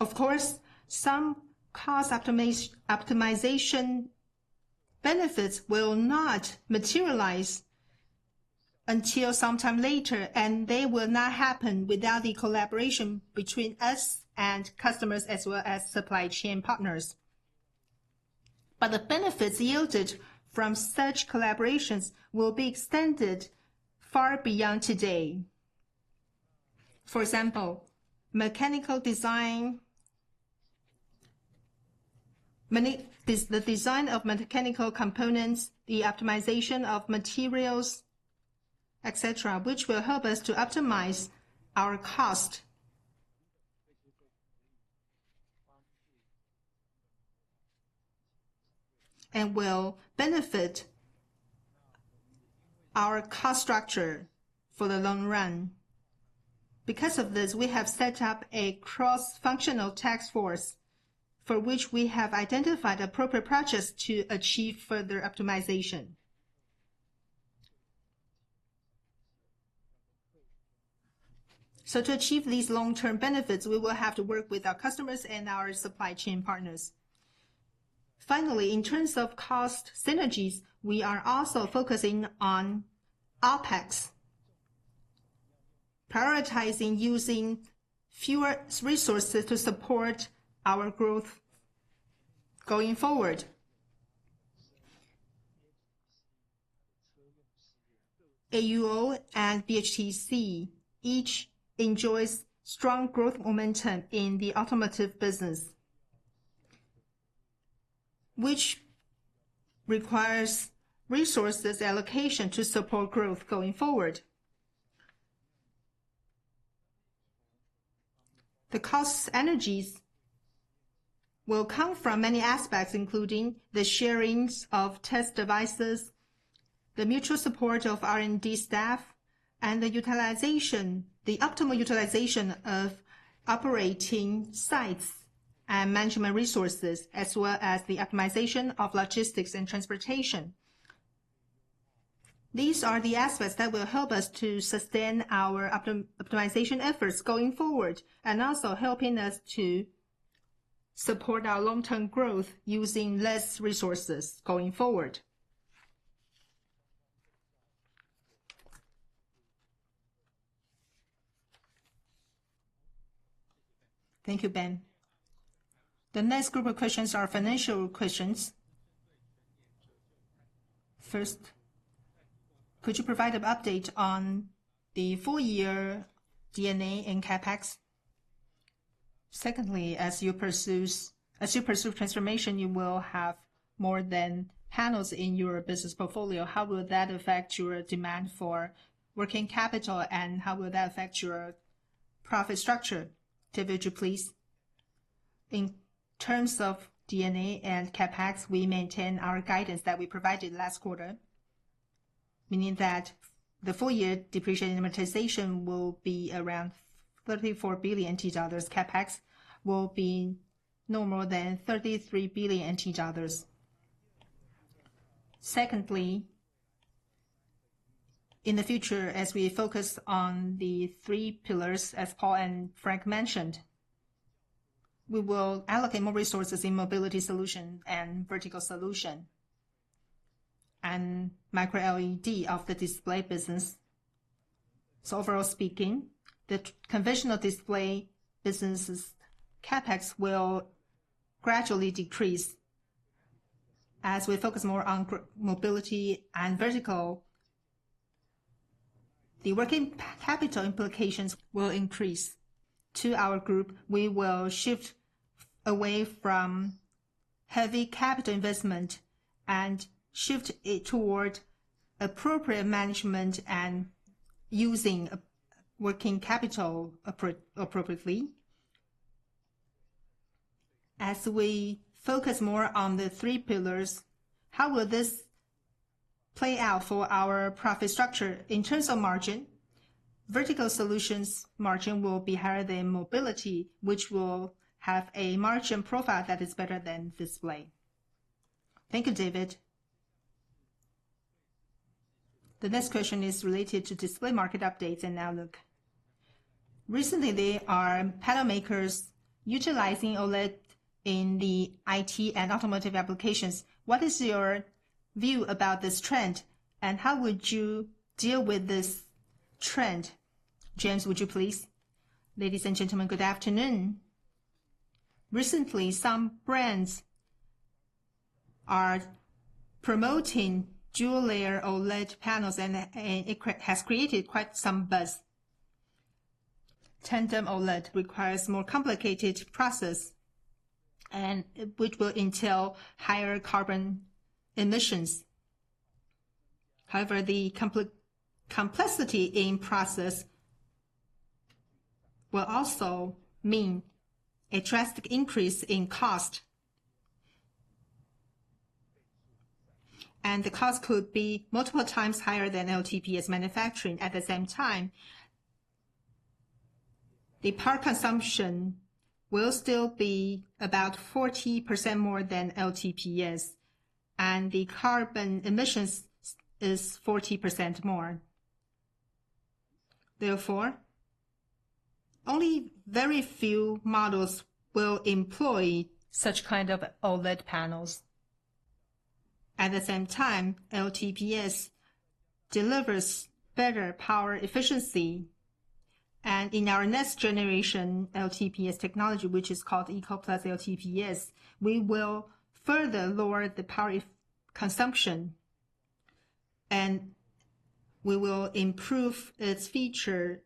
Of course, some cost optimization benefits will not materialize until sometime later, and they will not happen without the collaboration between us and customers as well as supply chain partners. But the benefits yielded from such collaborations will be extended far beyond today. For example, mechanical design, the design of mechanical components, the optimization of materials, etc., which will help us to optimize our cost and will benefit our cost structure for the long run. Because of this, we have set up a cross-functional task force for which we have identified appropriate projects to achieve further optimization. So to achieve these long-term benefits, we will have to work with our customers and our supply chain partners. Finally, in terms of cost synergies, we are also focusing on OpEx, prioritizing using fewer resources to support our growth going forward. AUO and BHTC each enjoy strong growth momentum in the automotive business, which requires resource allocation to support growth going forward. The cost synergies will come from many aspects, including the sharing of test devices, the mutual support of R&D staff, and the optimal utilization of operating sites and management resources, as well as the optimization of logistics and transportation. These are the aspects that will help us to sustain our optimization efforts going forward and also help us to support our long-term growth using fewer resources going forward. Thank you, Ben. The next group of questions are financial questions. First, could you provide an update on the full-year D&A and CapEx? Secondly, as you pursue transformation, you will have more than panels in your business portfolio. How will that affect your demand for working capital, and how will that affect your profit structure? David, you please. In terms of D&A and CapEx, we maintain our guidance that we provided last quarter, meaning that the full-year depreciation amortization will be around NTD 34 billion. CapEx will be no more than NTD 33 billion. Secondly, in the future, as we focus on the three pillars, as Paul and Frank mentioned, we will allocate more resources in mobility solution and vertical solution and micro-LED of the display business. So overall speaking, the conventional display business's CapEx will gradually decrease as we focus more on mobility and vertical. The working capital implications will increase. To our group, we will shift away from heavy capital investment and shift it toward appropriate management and using working capital appropriately. As we focus more on the three pillars, how will this play out for our profit structure? In terms of margin, vertical solutions' margin will be higher than mobility, which will have a margin profile that is better than display. Thank you, David. The next question is related to display market updates and outlook. Recently, there are panel makers utilizing OLED in the IT and automotive applications. What is your view about this trend, and how would you deal with this trend? James, would you please? Ladies and gentlemen, good afternoon. Recently, some brands are promoting dual-layer OLED panels, and it has created quite some buzz. Tandem OLED requires a more complicated process, which will entail higher carbon emissions. However, the complexity in process will also mean a drastic increase in cost, and the cost could be multiple times higher than LTPS manufacturing at the same time. The power consumption will still be about 40% more than LTPS, and the carbon emissions are 40% more. Therefore, only very few models will employ such kind of OLED panels. At the same time, LTPS delivers better power efficiency, and in our next generation LTPS technology, which is called EcoPlus LTPS, we will further lower the power consumption, and we will improve its feature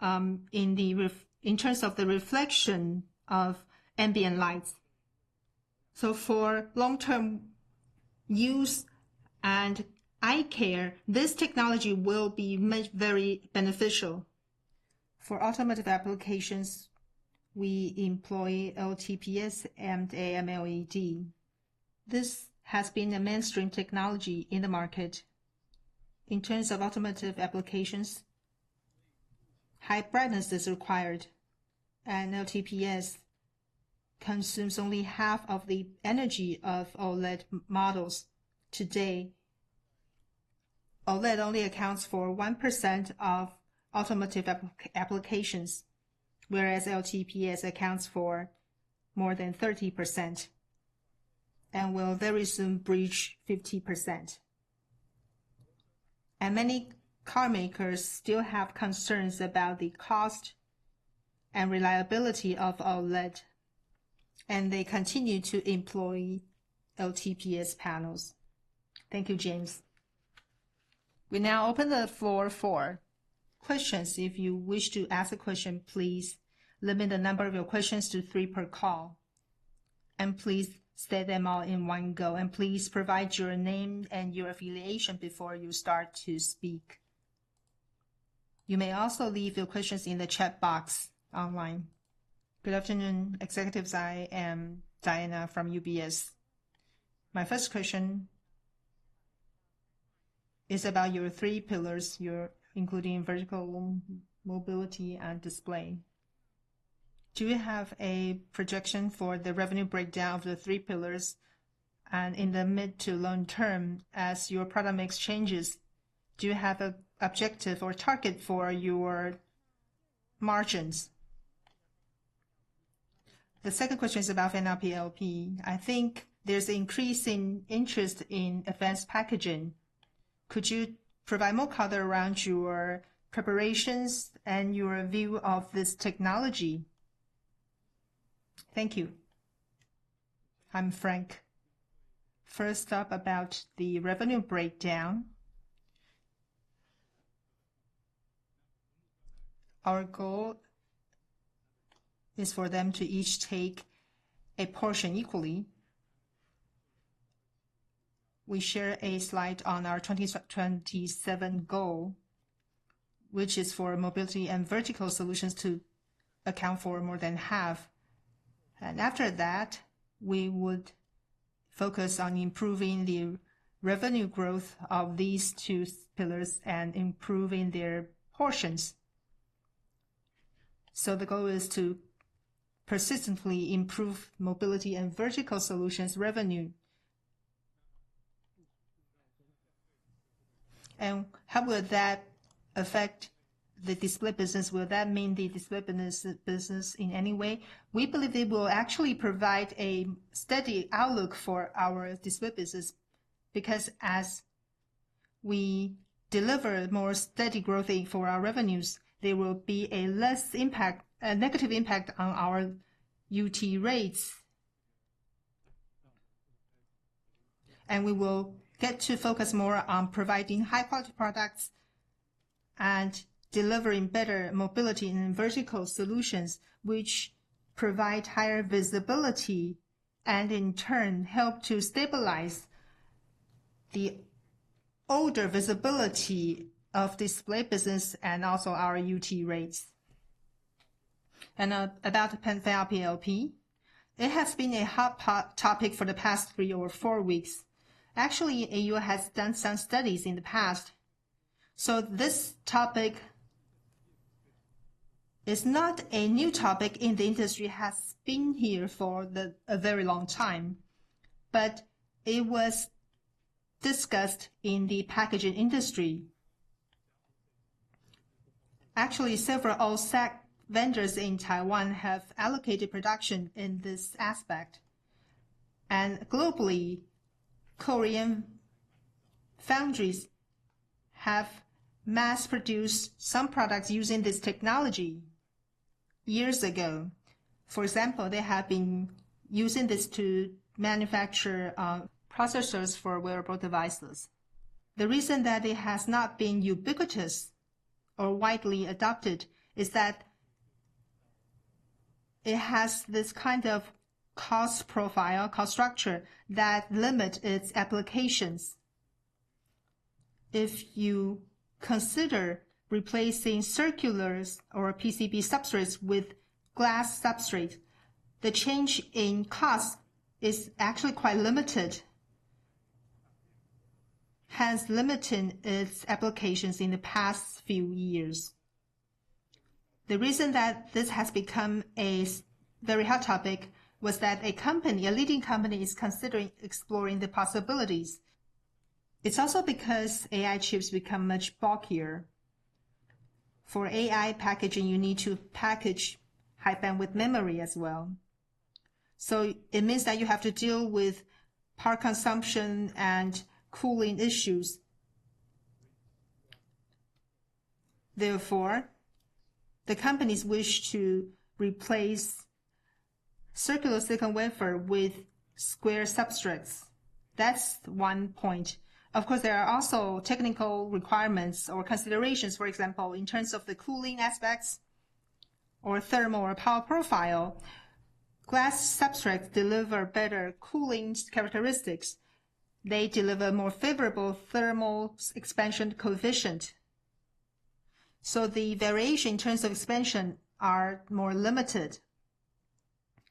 in terms of the reflection of ambient lights. So for long-term use and eye care, this technology will be very beneficial. For automotive applications, we employ LTPS and AmLED. This has been a mainstream technology in the market. In terms of automotive applications, high brightness is required, and LTPS consumes only half of the energy of OLED models today. OLED only accounts for 1% of automotive applications, whereas LTPS accounts for more than 30% and will very soon breach 50%. And many car makers still have concerns about the cost and reliability of OLED, and they continue to employ LTPS panels. Thank you, James. We now open the floor for questions. If you wish to ask a question, please limit the number of your questions to three per call, and please say them all in one go. Please provide your name and your affiliation before you start to speak. You may also leave your questions in the chat box online. Good afternoon, Executives. I am Diana from UBS. My first question is about your three pillars, including vertical, mobility, and display. Do you have a projection for the revenue breakdown of the three pillars in the mid to long term as your product makes changes? Do you have an objective or target for your margins? The second question is about FOPLP. I think there's increasing interest in advanced packaging. Could you provide more color around your preparations and your view of this technology? Thank you. I'm Frank. First up about the revenue breakdown. Our goal is for them to each take a portion equally. We share a slide on our 2027 goal, which is for mobility and vertical solutions to account for more than half. And after that, we would focus on improving the revenue growth of these two pillars and improving their portions. So the goal is to persistently improve mobility and vertical solutions revenue. And how will that affect the display business? Will that mean the display business in any way? We believe it will actually provide a steady outlook for our display business because as we deliver more steady growth for our revenues, there will be a negative impact on our UT rates. We will get to focus more on providing high-quality products and delivering better mobility and vertical solutions, which provide higher visibility and in turn help to stabilize the order visibility of display business and also our UT rates. About FOPLP, it has been a hot topic for the past three or four weeks. Actually, AUO has done some studies in the past. This topic is not a new topic in the industry. It has been here for a very long time, but it was discussed in the packaging industry. Actually, several OSAT vendors in Taiwan have allocated production in this aspect. Globally, Korean foundries have mass-produced some products using this technology years ago. For example, they have been using this to manufacture processors for wearable devices. The reason that it has not been ubiquitous or widely adopted is that it has this kind of cost profile, cost structure that limits its applications. If you consider replacing circulars or PCB substrates with glass substrates, the change in cost is actually quite limited, hence limiting its applications in the past few years. The reason that this has become a very hot topic was that a leading company is considering exploring the possibilities. It's also because AI chips become much bulkier. For AI packaging, you need to package high-bandwidth memory as well. So it means that you have to deal with power consumption and cooling issues. Therefore, the companies wish to replace circular silicon wafer with square substrates. That's one point. Of course, there are also technical requirements or considerations, for example, in terms of the cooling aspects or thermal or power profile. Glass substrates deliver better cooling characteristics. They deliver more favorable thermal expansion coefficients. So the variation in terms of expansion is more limited,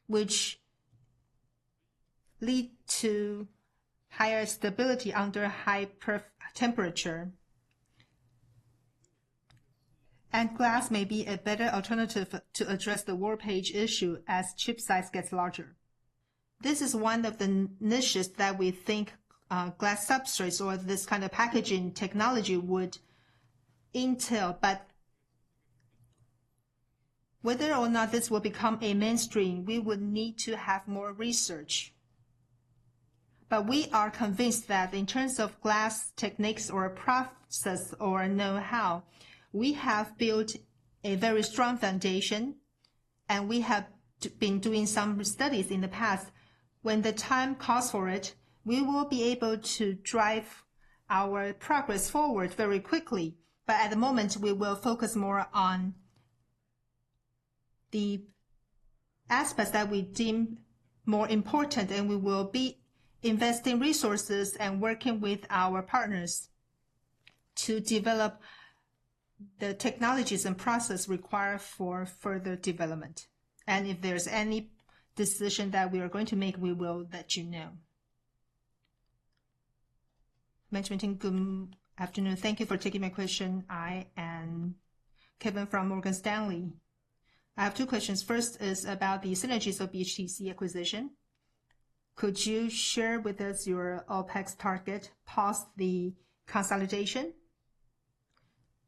which leads to higher stability under high temperature. And glass may be a better alternative to address the warpage issue as chip size gets larger. This is one of the niches that we think glass substrates or this kind of packaging technology would entail. But whether or not this will become a mainstream, we would need to have more research. But we are convinced that in terms of glass techniques or process or know-how, we have built a very strong foundation, and we have been doing some studies in the past. When the time calls for it, we will be able to drive our progress forward very quickly. But at the moment, we will focus more on the aspects that we deem more important, and we will be investing resources and working with our partners to develop the technologies and processes required for further development. And if there's any decision that we are going to make, we will let you know. Management team, good afternoon. Thank you for taking my question. I am Kevin from Morgan Stanley. I have two questions. First is about the synergies of BHTC acquisition. Could you share with us your OpEx target post the consolidation?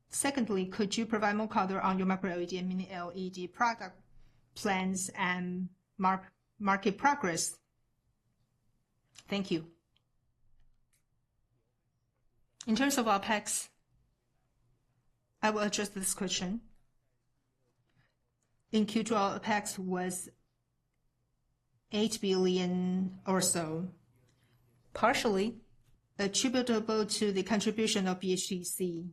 Secondly, could you provide more color on your Micro-LED and Mini-LED product plans and market progress? Thank you. In terms of OpEx, I will address this question. In Q2, OpEx was NTD 8 billion or so, partially attributable to the contribution of BHTC.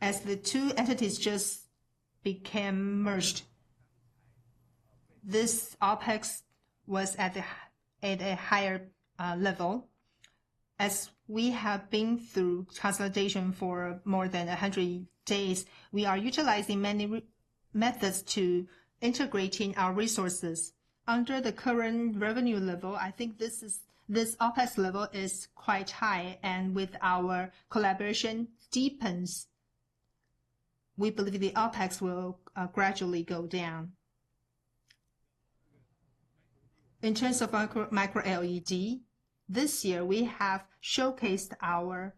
As the two entities just became merged, this OpEx was at a higher level. As we have been through consolidation for more than 100 days, we are utilizing many methods to integrate our resources. Under the current revenue level, I think this OpEx level is quite high, and with our collaboration deepens, we believe the OpEx will gradually go down. In terms of Micro-LED, this year, we have showcased our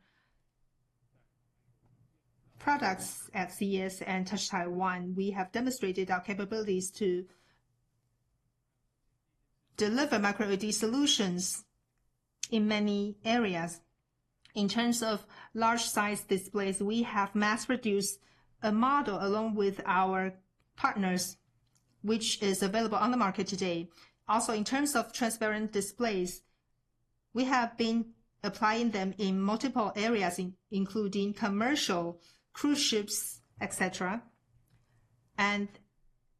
products at CES and Touch Taiwan. We have demonstrated our capabilities to deliver Micro-LED solutions in many areas. In terms of large-sized displays, we have mass-produced a model along with our partners, which is available on the market today. Also, in terms of transparent displays, we have been applying them in multiple areas, including commercial, cruise ships, etc.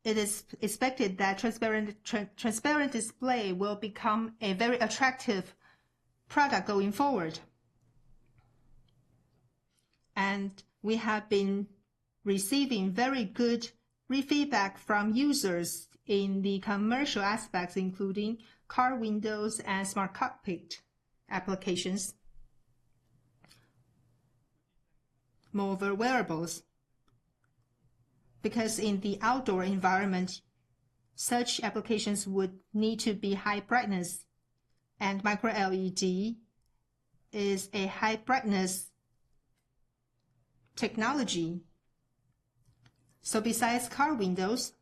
It is expected that transparent display will become a very attractive product going forward. We have been receiving very good feedback from users in the commercial aspects, including car windows and Smart Cockpit applications, moreover wearables. Because in the outdoor environment, such applications would need to be high brightness, and Micro-LED is a high brightness technology. Besides car windows,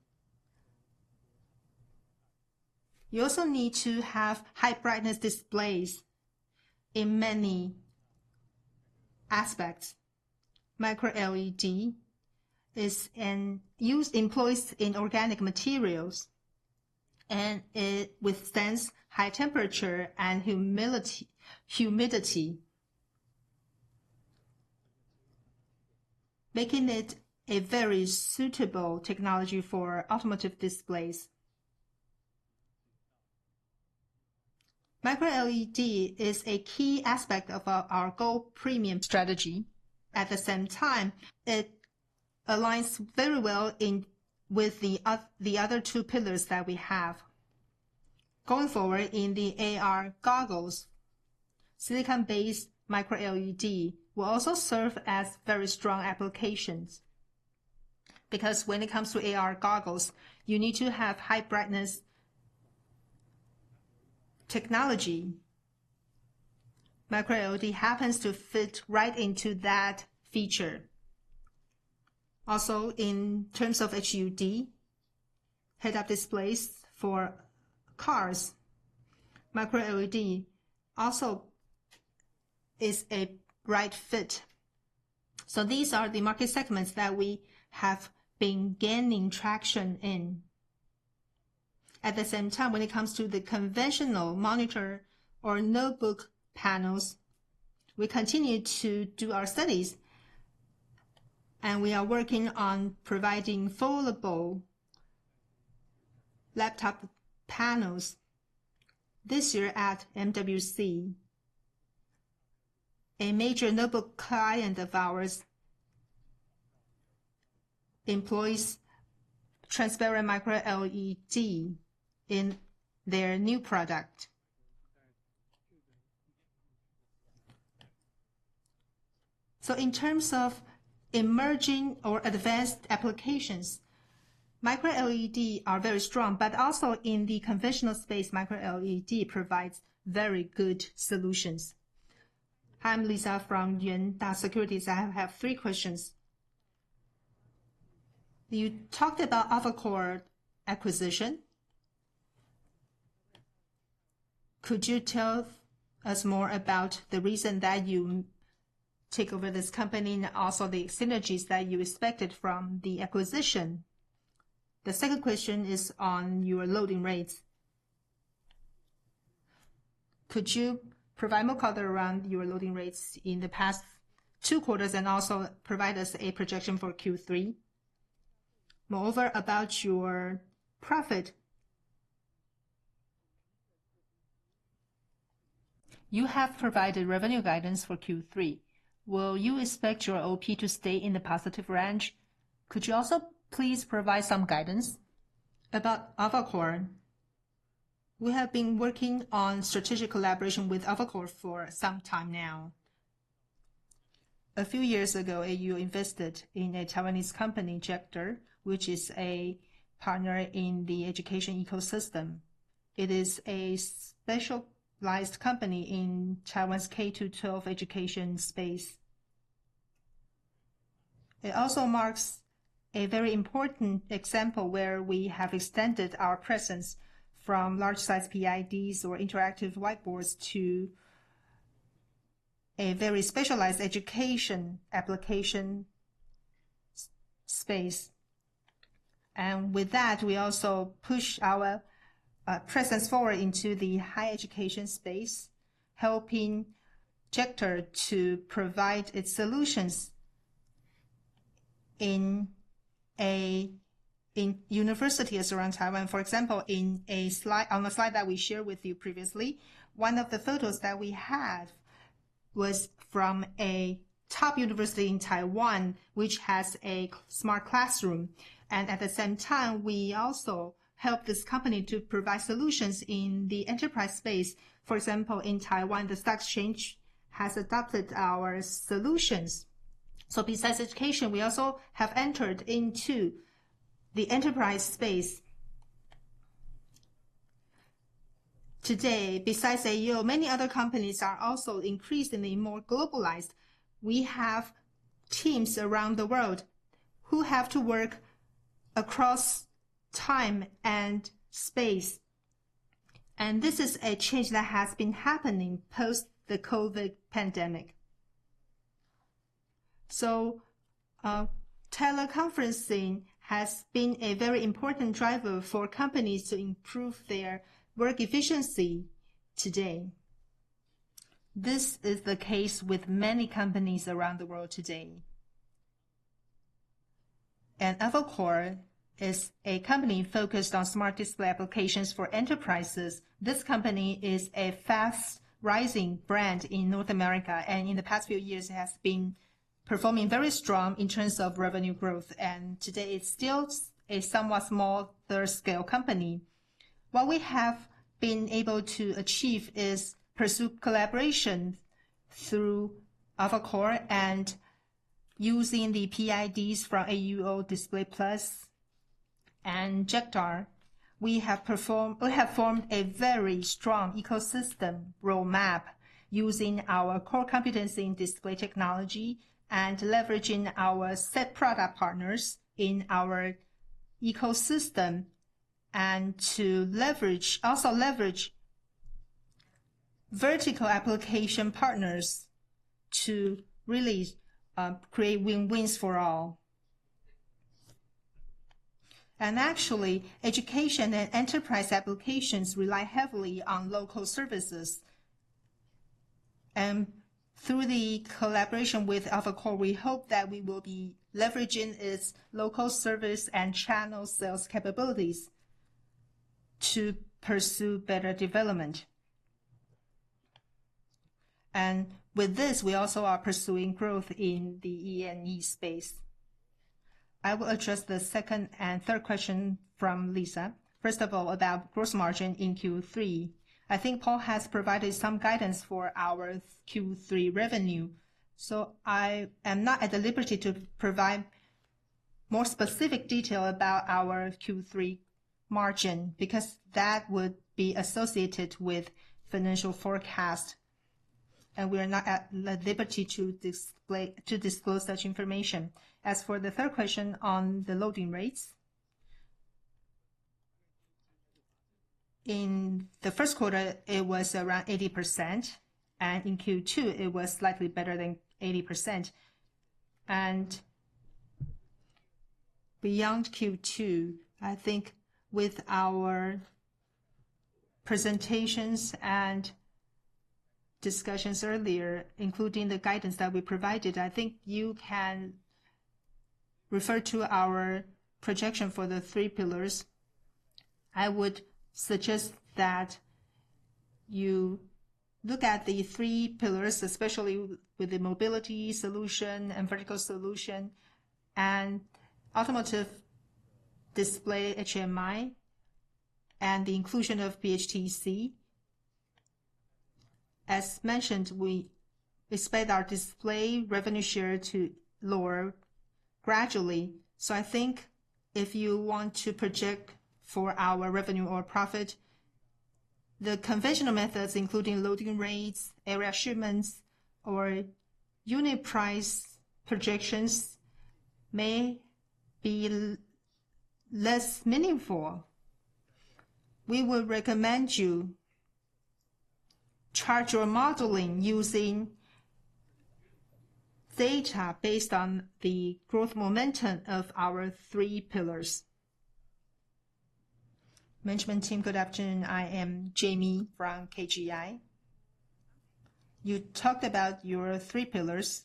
you also need to have high brightness displays in many aspects. Micro-LED is employed in organic materials, and it withstands high temperature and humidity, making it a very suitable technology for automotive displays. Micro-LED is a key aspect of our Go Premium strategy. At the same time, it aligns very well with the other two pillars that we have. Going forward, in the AR goggles, silicon-based Micro-LED will also serve as very strong applications. Because when it comes to AR goggles, you need to have high brightness technology. Micro-LED happens to fit right into that feature. Also, in terms of HUD, head-up displays for cars, micro-LED also is a bright fit. So these are the market segments that we have been gaining traction in. At the same time, when it comes to the conventional monitor or notebook panels, we continue to do our studies, and we are working on providing foldable laptop panels this year at MWC. A major notebook client of ours employs transparent micro-LED in their new product. So in terms of emerging or advanced applications, micro-LED are very strong, but also in the conventional space, micro-LED provides very good solutions. I'm Lisa from Yuanta Securities. I have three questions. You talked about Avocor acquisition. Could you tell us more about the reason that you took over this company and also the synergies that you expected from the acquisition? The second question is on your loading rates. Could you provide more color around your loading rates in the past two quarters and also provide us a projection for Q3? Moreover, about your profit. You have provided revenue guidance for Q3. Will you expect your OP to stay in the positive range? Could you also please provide some guidance? About Avocor, we have been working on strategic collaboration with Avocor for some time now. A few years ago, AUO invested in a Taiwanese company, Jector Digital, which is a partner in the education ecosystem. It is a specialized company in Taiwan's K-12 education space. It also marks a very important example where we have extended our presence from large-sized PIDs or interactive whiteboards to a very specialized education application space. And with that, we also push our presence forward into the higher education space, helping Jector to provide its solutions in universities around Taiwan. For example, on the slide that we shared with you previously, one of the photos that we have was from a top university in Taiwan, which has a smart classroom. At the same time, we also help this company to provide solutions in the enterprise space. For example, in Taiwan, the stock exchange has adopted our solutions. So besides education, we also have entered into the enterprise space. Today, besides AUO, many other companies are also increasingly more globalized. We have teams around the world who have to work across time and space. This is a change that has been happening post the COVID pandemic. So teleconferencing has been a very important driver for companies to improve their work efficiency today. This is the case with many companies around the world today. Avocor is a company focused on smart display applications for enterprises. This company is a fast-rising brand in North America, and in the past few years, it has been performing very strong in terms of revenue growth. Today, it's still a somewhat smaller scale company. What we have been able to achieve is pursue collaboration through Avocor and using the PIDs from AUO Display Plus and Jector. We have formed a very strong ecosystem roadmap using our core competency in display technology and leveraging our set product partners in our ecosystem and to also leverage vertical application partners to really create win-wins for all. Actually, education and enterprise applications rely heavily on local services. Through the collaboration with Avocor, we hope that we will be leveraging its local service and channel sales capabilities to pursue better development. With this, we also are pursuing growth in the E&E space. I will address the second and third question from Lisa. First of all, about gross margin in Q3. I think Paul has provided some guidance for our Q3 revenue. So I am not at the liberty to provide more specific detail about our Q3 margin because that would be associated with financial forecast, and we are not at the liberty to disclose such information. As for the third question on the loading rates, in the first quarter, it was around 80%, and in Q2, it was slightly better than 80%. Beyond Q2, I think with our presentations and discussions earlier, including the guidance that we provided, I think you can refer to our projection for the three pillars. I would suggest that you look at the three pillars, especially with the mobility solution and vertical solution and automotive display HMI and the inclusion of BHTC. As mentioned, we expect our display revenue share to lower gradually. So I think if you want to project for our revenue or profit, the conventional methods, including loading rates, area shipments, or unit price projections may be less meaningful. We would recommend you change your modeling using data based on the growth momentum of our three pillars. Management team, good afternoon. I am Jamie from KGI. You talked about your three pillars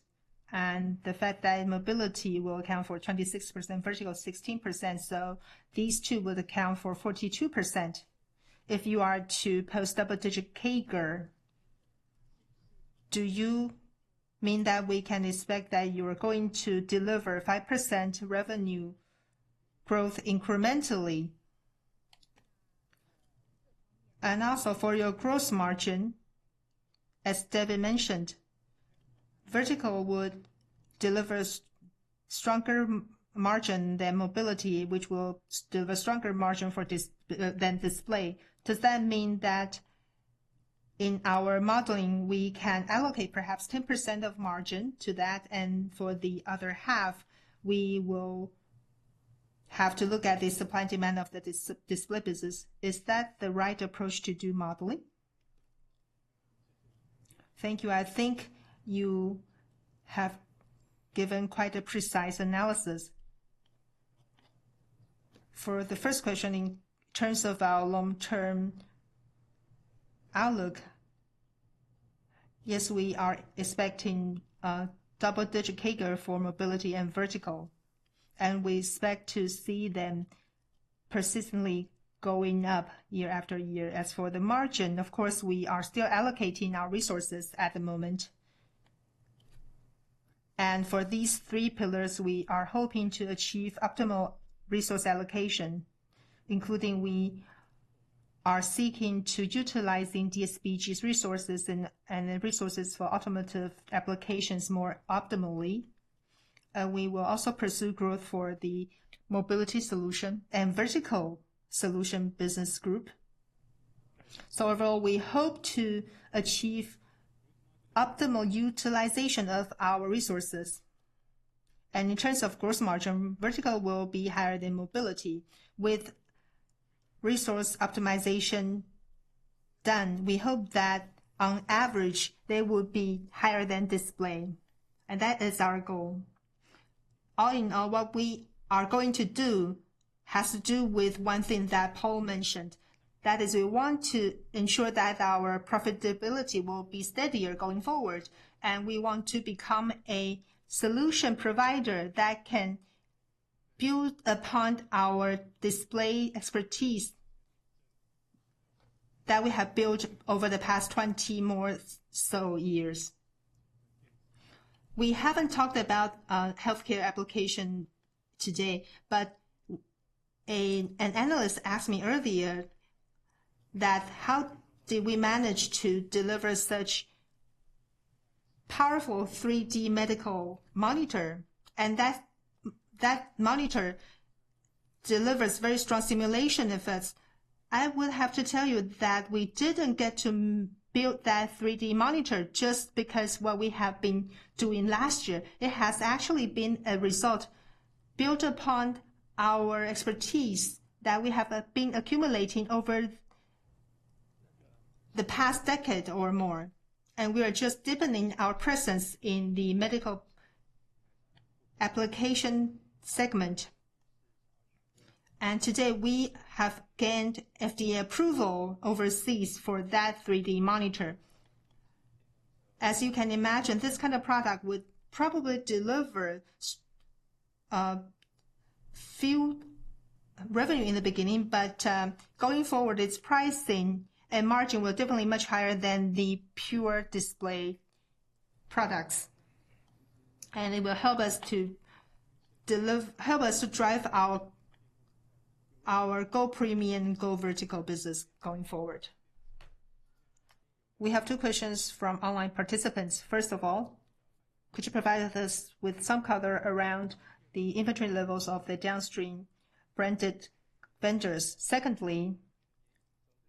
and the fact that mobility will account for 26%, vertical 16%, so these two would account for 42%. If you are to post double-digit CAGR, do you mean that we can expect that you are going to deliver 5% revenue growth incrementally? And also for your gross margin, as David mentioned, vertical would deliver stronger margin than mobility, which will deliver stronger margin than display. Does that mean that in our modeling, we can allocate perhaps 10% of margin to that, and for the other half, we will have to look at the supply and demand of the display business? Is that the right approach to do modeling? Thank you. I think you have given quite a precise analysis. For the first question, in terms of our long-term outlook, yes, we are expecting double-digit CAGR for mobility and vertical, and we expect to see them persistently going up year after year. As for the margin, of course, we are still allocating our resources at the moment. And for these three pillars, we are hoping to achieve optimal resource allocation, including we are seeking to utilize DSBG's resources and resources for automotive applications more optimally. And we will also pursue growth for the mobility solution and vertical solution business group. So overall, we hope to achieve optimal utilization of our resources. In terms of gross margin, vertical will be higher than mobility. With resource optimization done, we hope that on average, they would be higher than display. That is our goal. All in all, what we are going to do has to do with one thing that Paul mentioned. That is, we want to ensure that our profitability will be steadier going forward, and we want to become a solution provider that can build upon our display expertise that we have built over the past 20 more so years. We haven't talked about healthcare application today, but an analyst asked me earlier that how did we manage to deliver such powerful 3D medical monitor? And that monitor delivers very strong simulation effects. I would have to tell you that we didn't get to build that 3D monitor just because what we have been doing last year. It has actually been a result built upon our expertise that we have been accumulating over the past decade or more. We are just deepening our presence in the medical application segment. Today, we have gained FDA approval overseas for that 3D monitor. As you can imagine, this kind of product would probably deliver few revenue in the beginning, but going forward, its pricing and margin will definitely be much higher than the pure display products. It will help us to drive our Go Premium and Go Vertical business going forward. We have two questions from online participants. First of all, could you provide us with some color around the inventory levels of the downstream branded vendors? Secondly,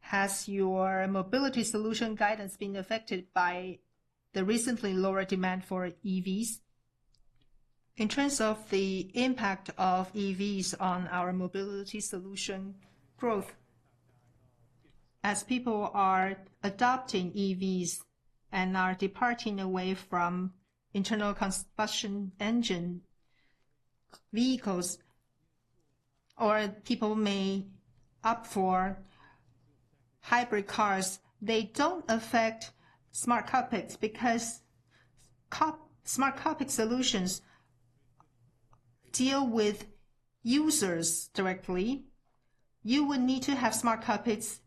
has your mobility solution guidance been affected by the recently lower demand for EVs? In terms of the impact of EVs on our mobility solution growth, as people are adopting EVs and are departing away from internal combustion engine vehicles, or people may opt for hybrid cars, they don't affect Smart Cockpits because Smart Cockpit solutions deal with users directly. You would need to have Smart Cockpits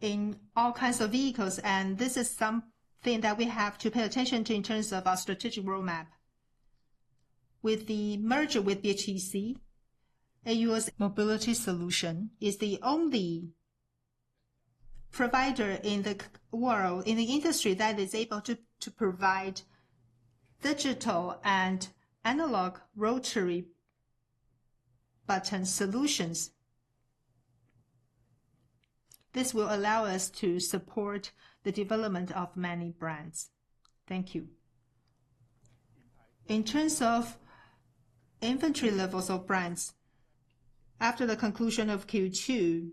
in all kinds of vehicles, and this is something that we have to pay attention to in terms of our strategic roadmap. With the merger with BHTC, AUO's mobility solution is the only provider in the world, in the industry, that is able to provide digital and analog rotary button solutions. This will allow us to support the development of many brands. Thank you. In terms of inventory levels of brands, after the conclusion of Q2,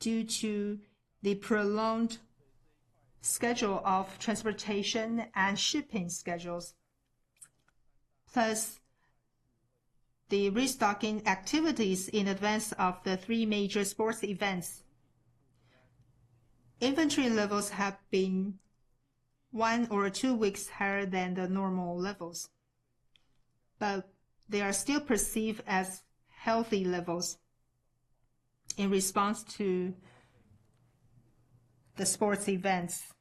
due to the prolonged schedule of transportation and shipping schedules, plus the restocking activities in advance of the three major sports events, inventory levels have been one or two weeks higher than the normal levels, but they are still perceived as healthy levels in response to the sports events.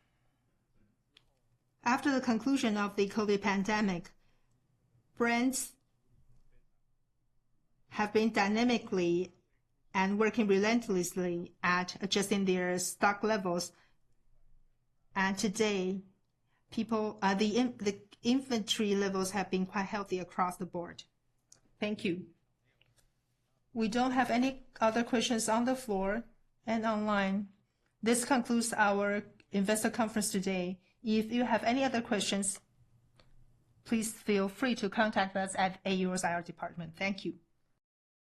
After the conclusion of the COVID pandemic, brands have been dynamically and working relentlessly at adjusting their stock levels. Today, the inventory levels have been quite healthy across the board. Thank you. We don't have any other questions on the floor and online. This concludes our investor conference today. If you have any other questions, please feel free to contact us at AUO's IR department. Thank you.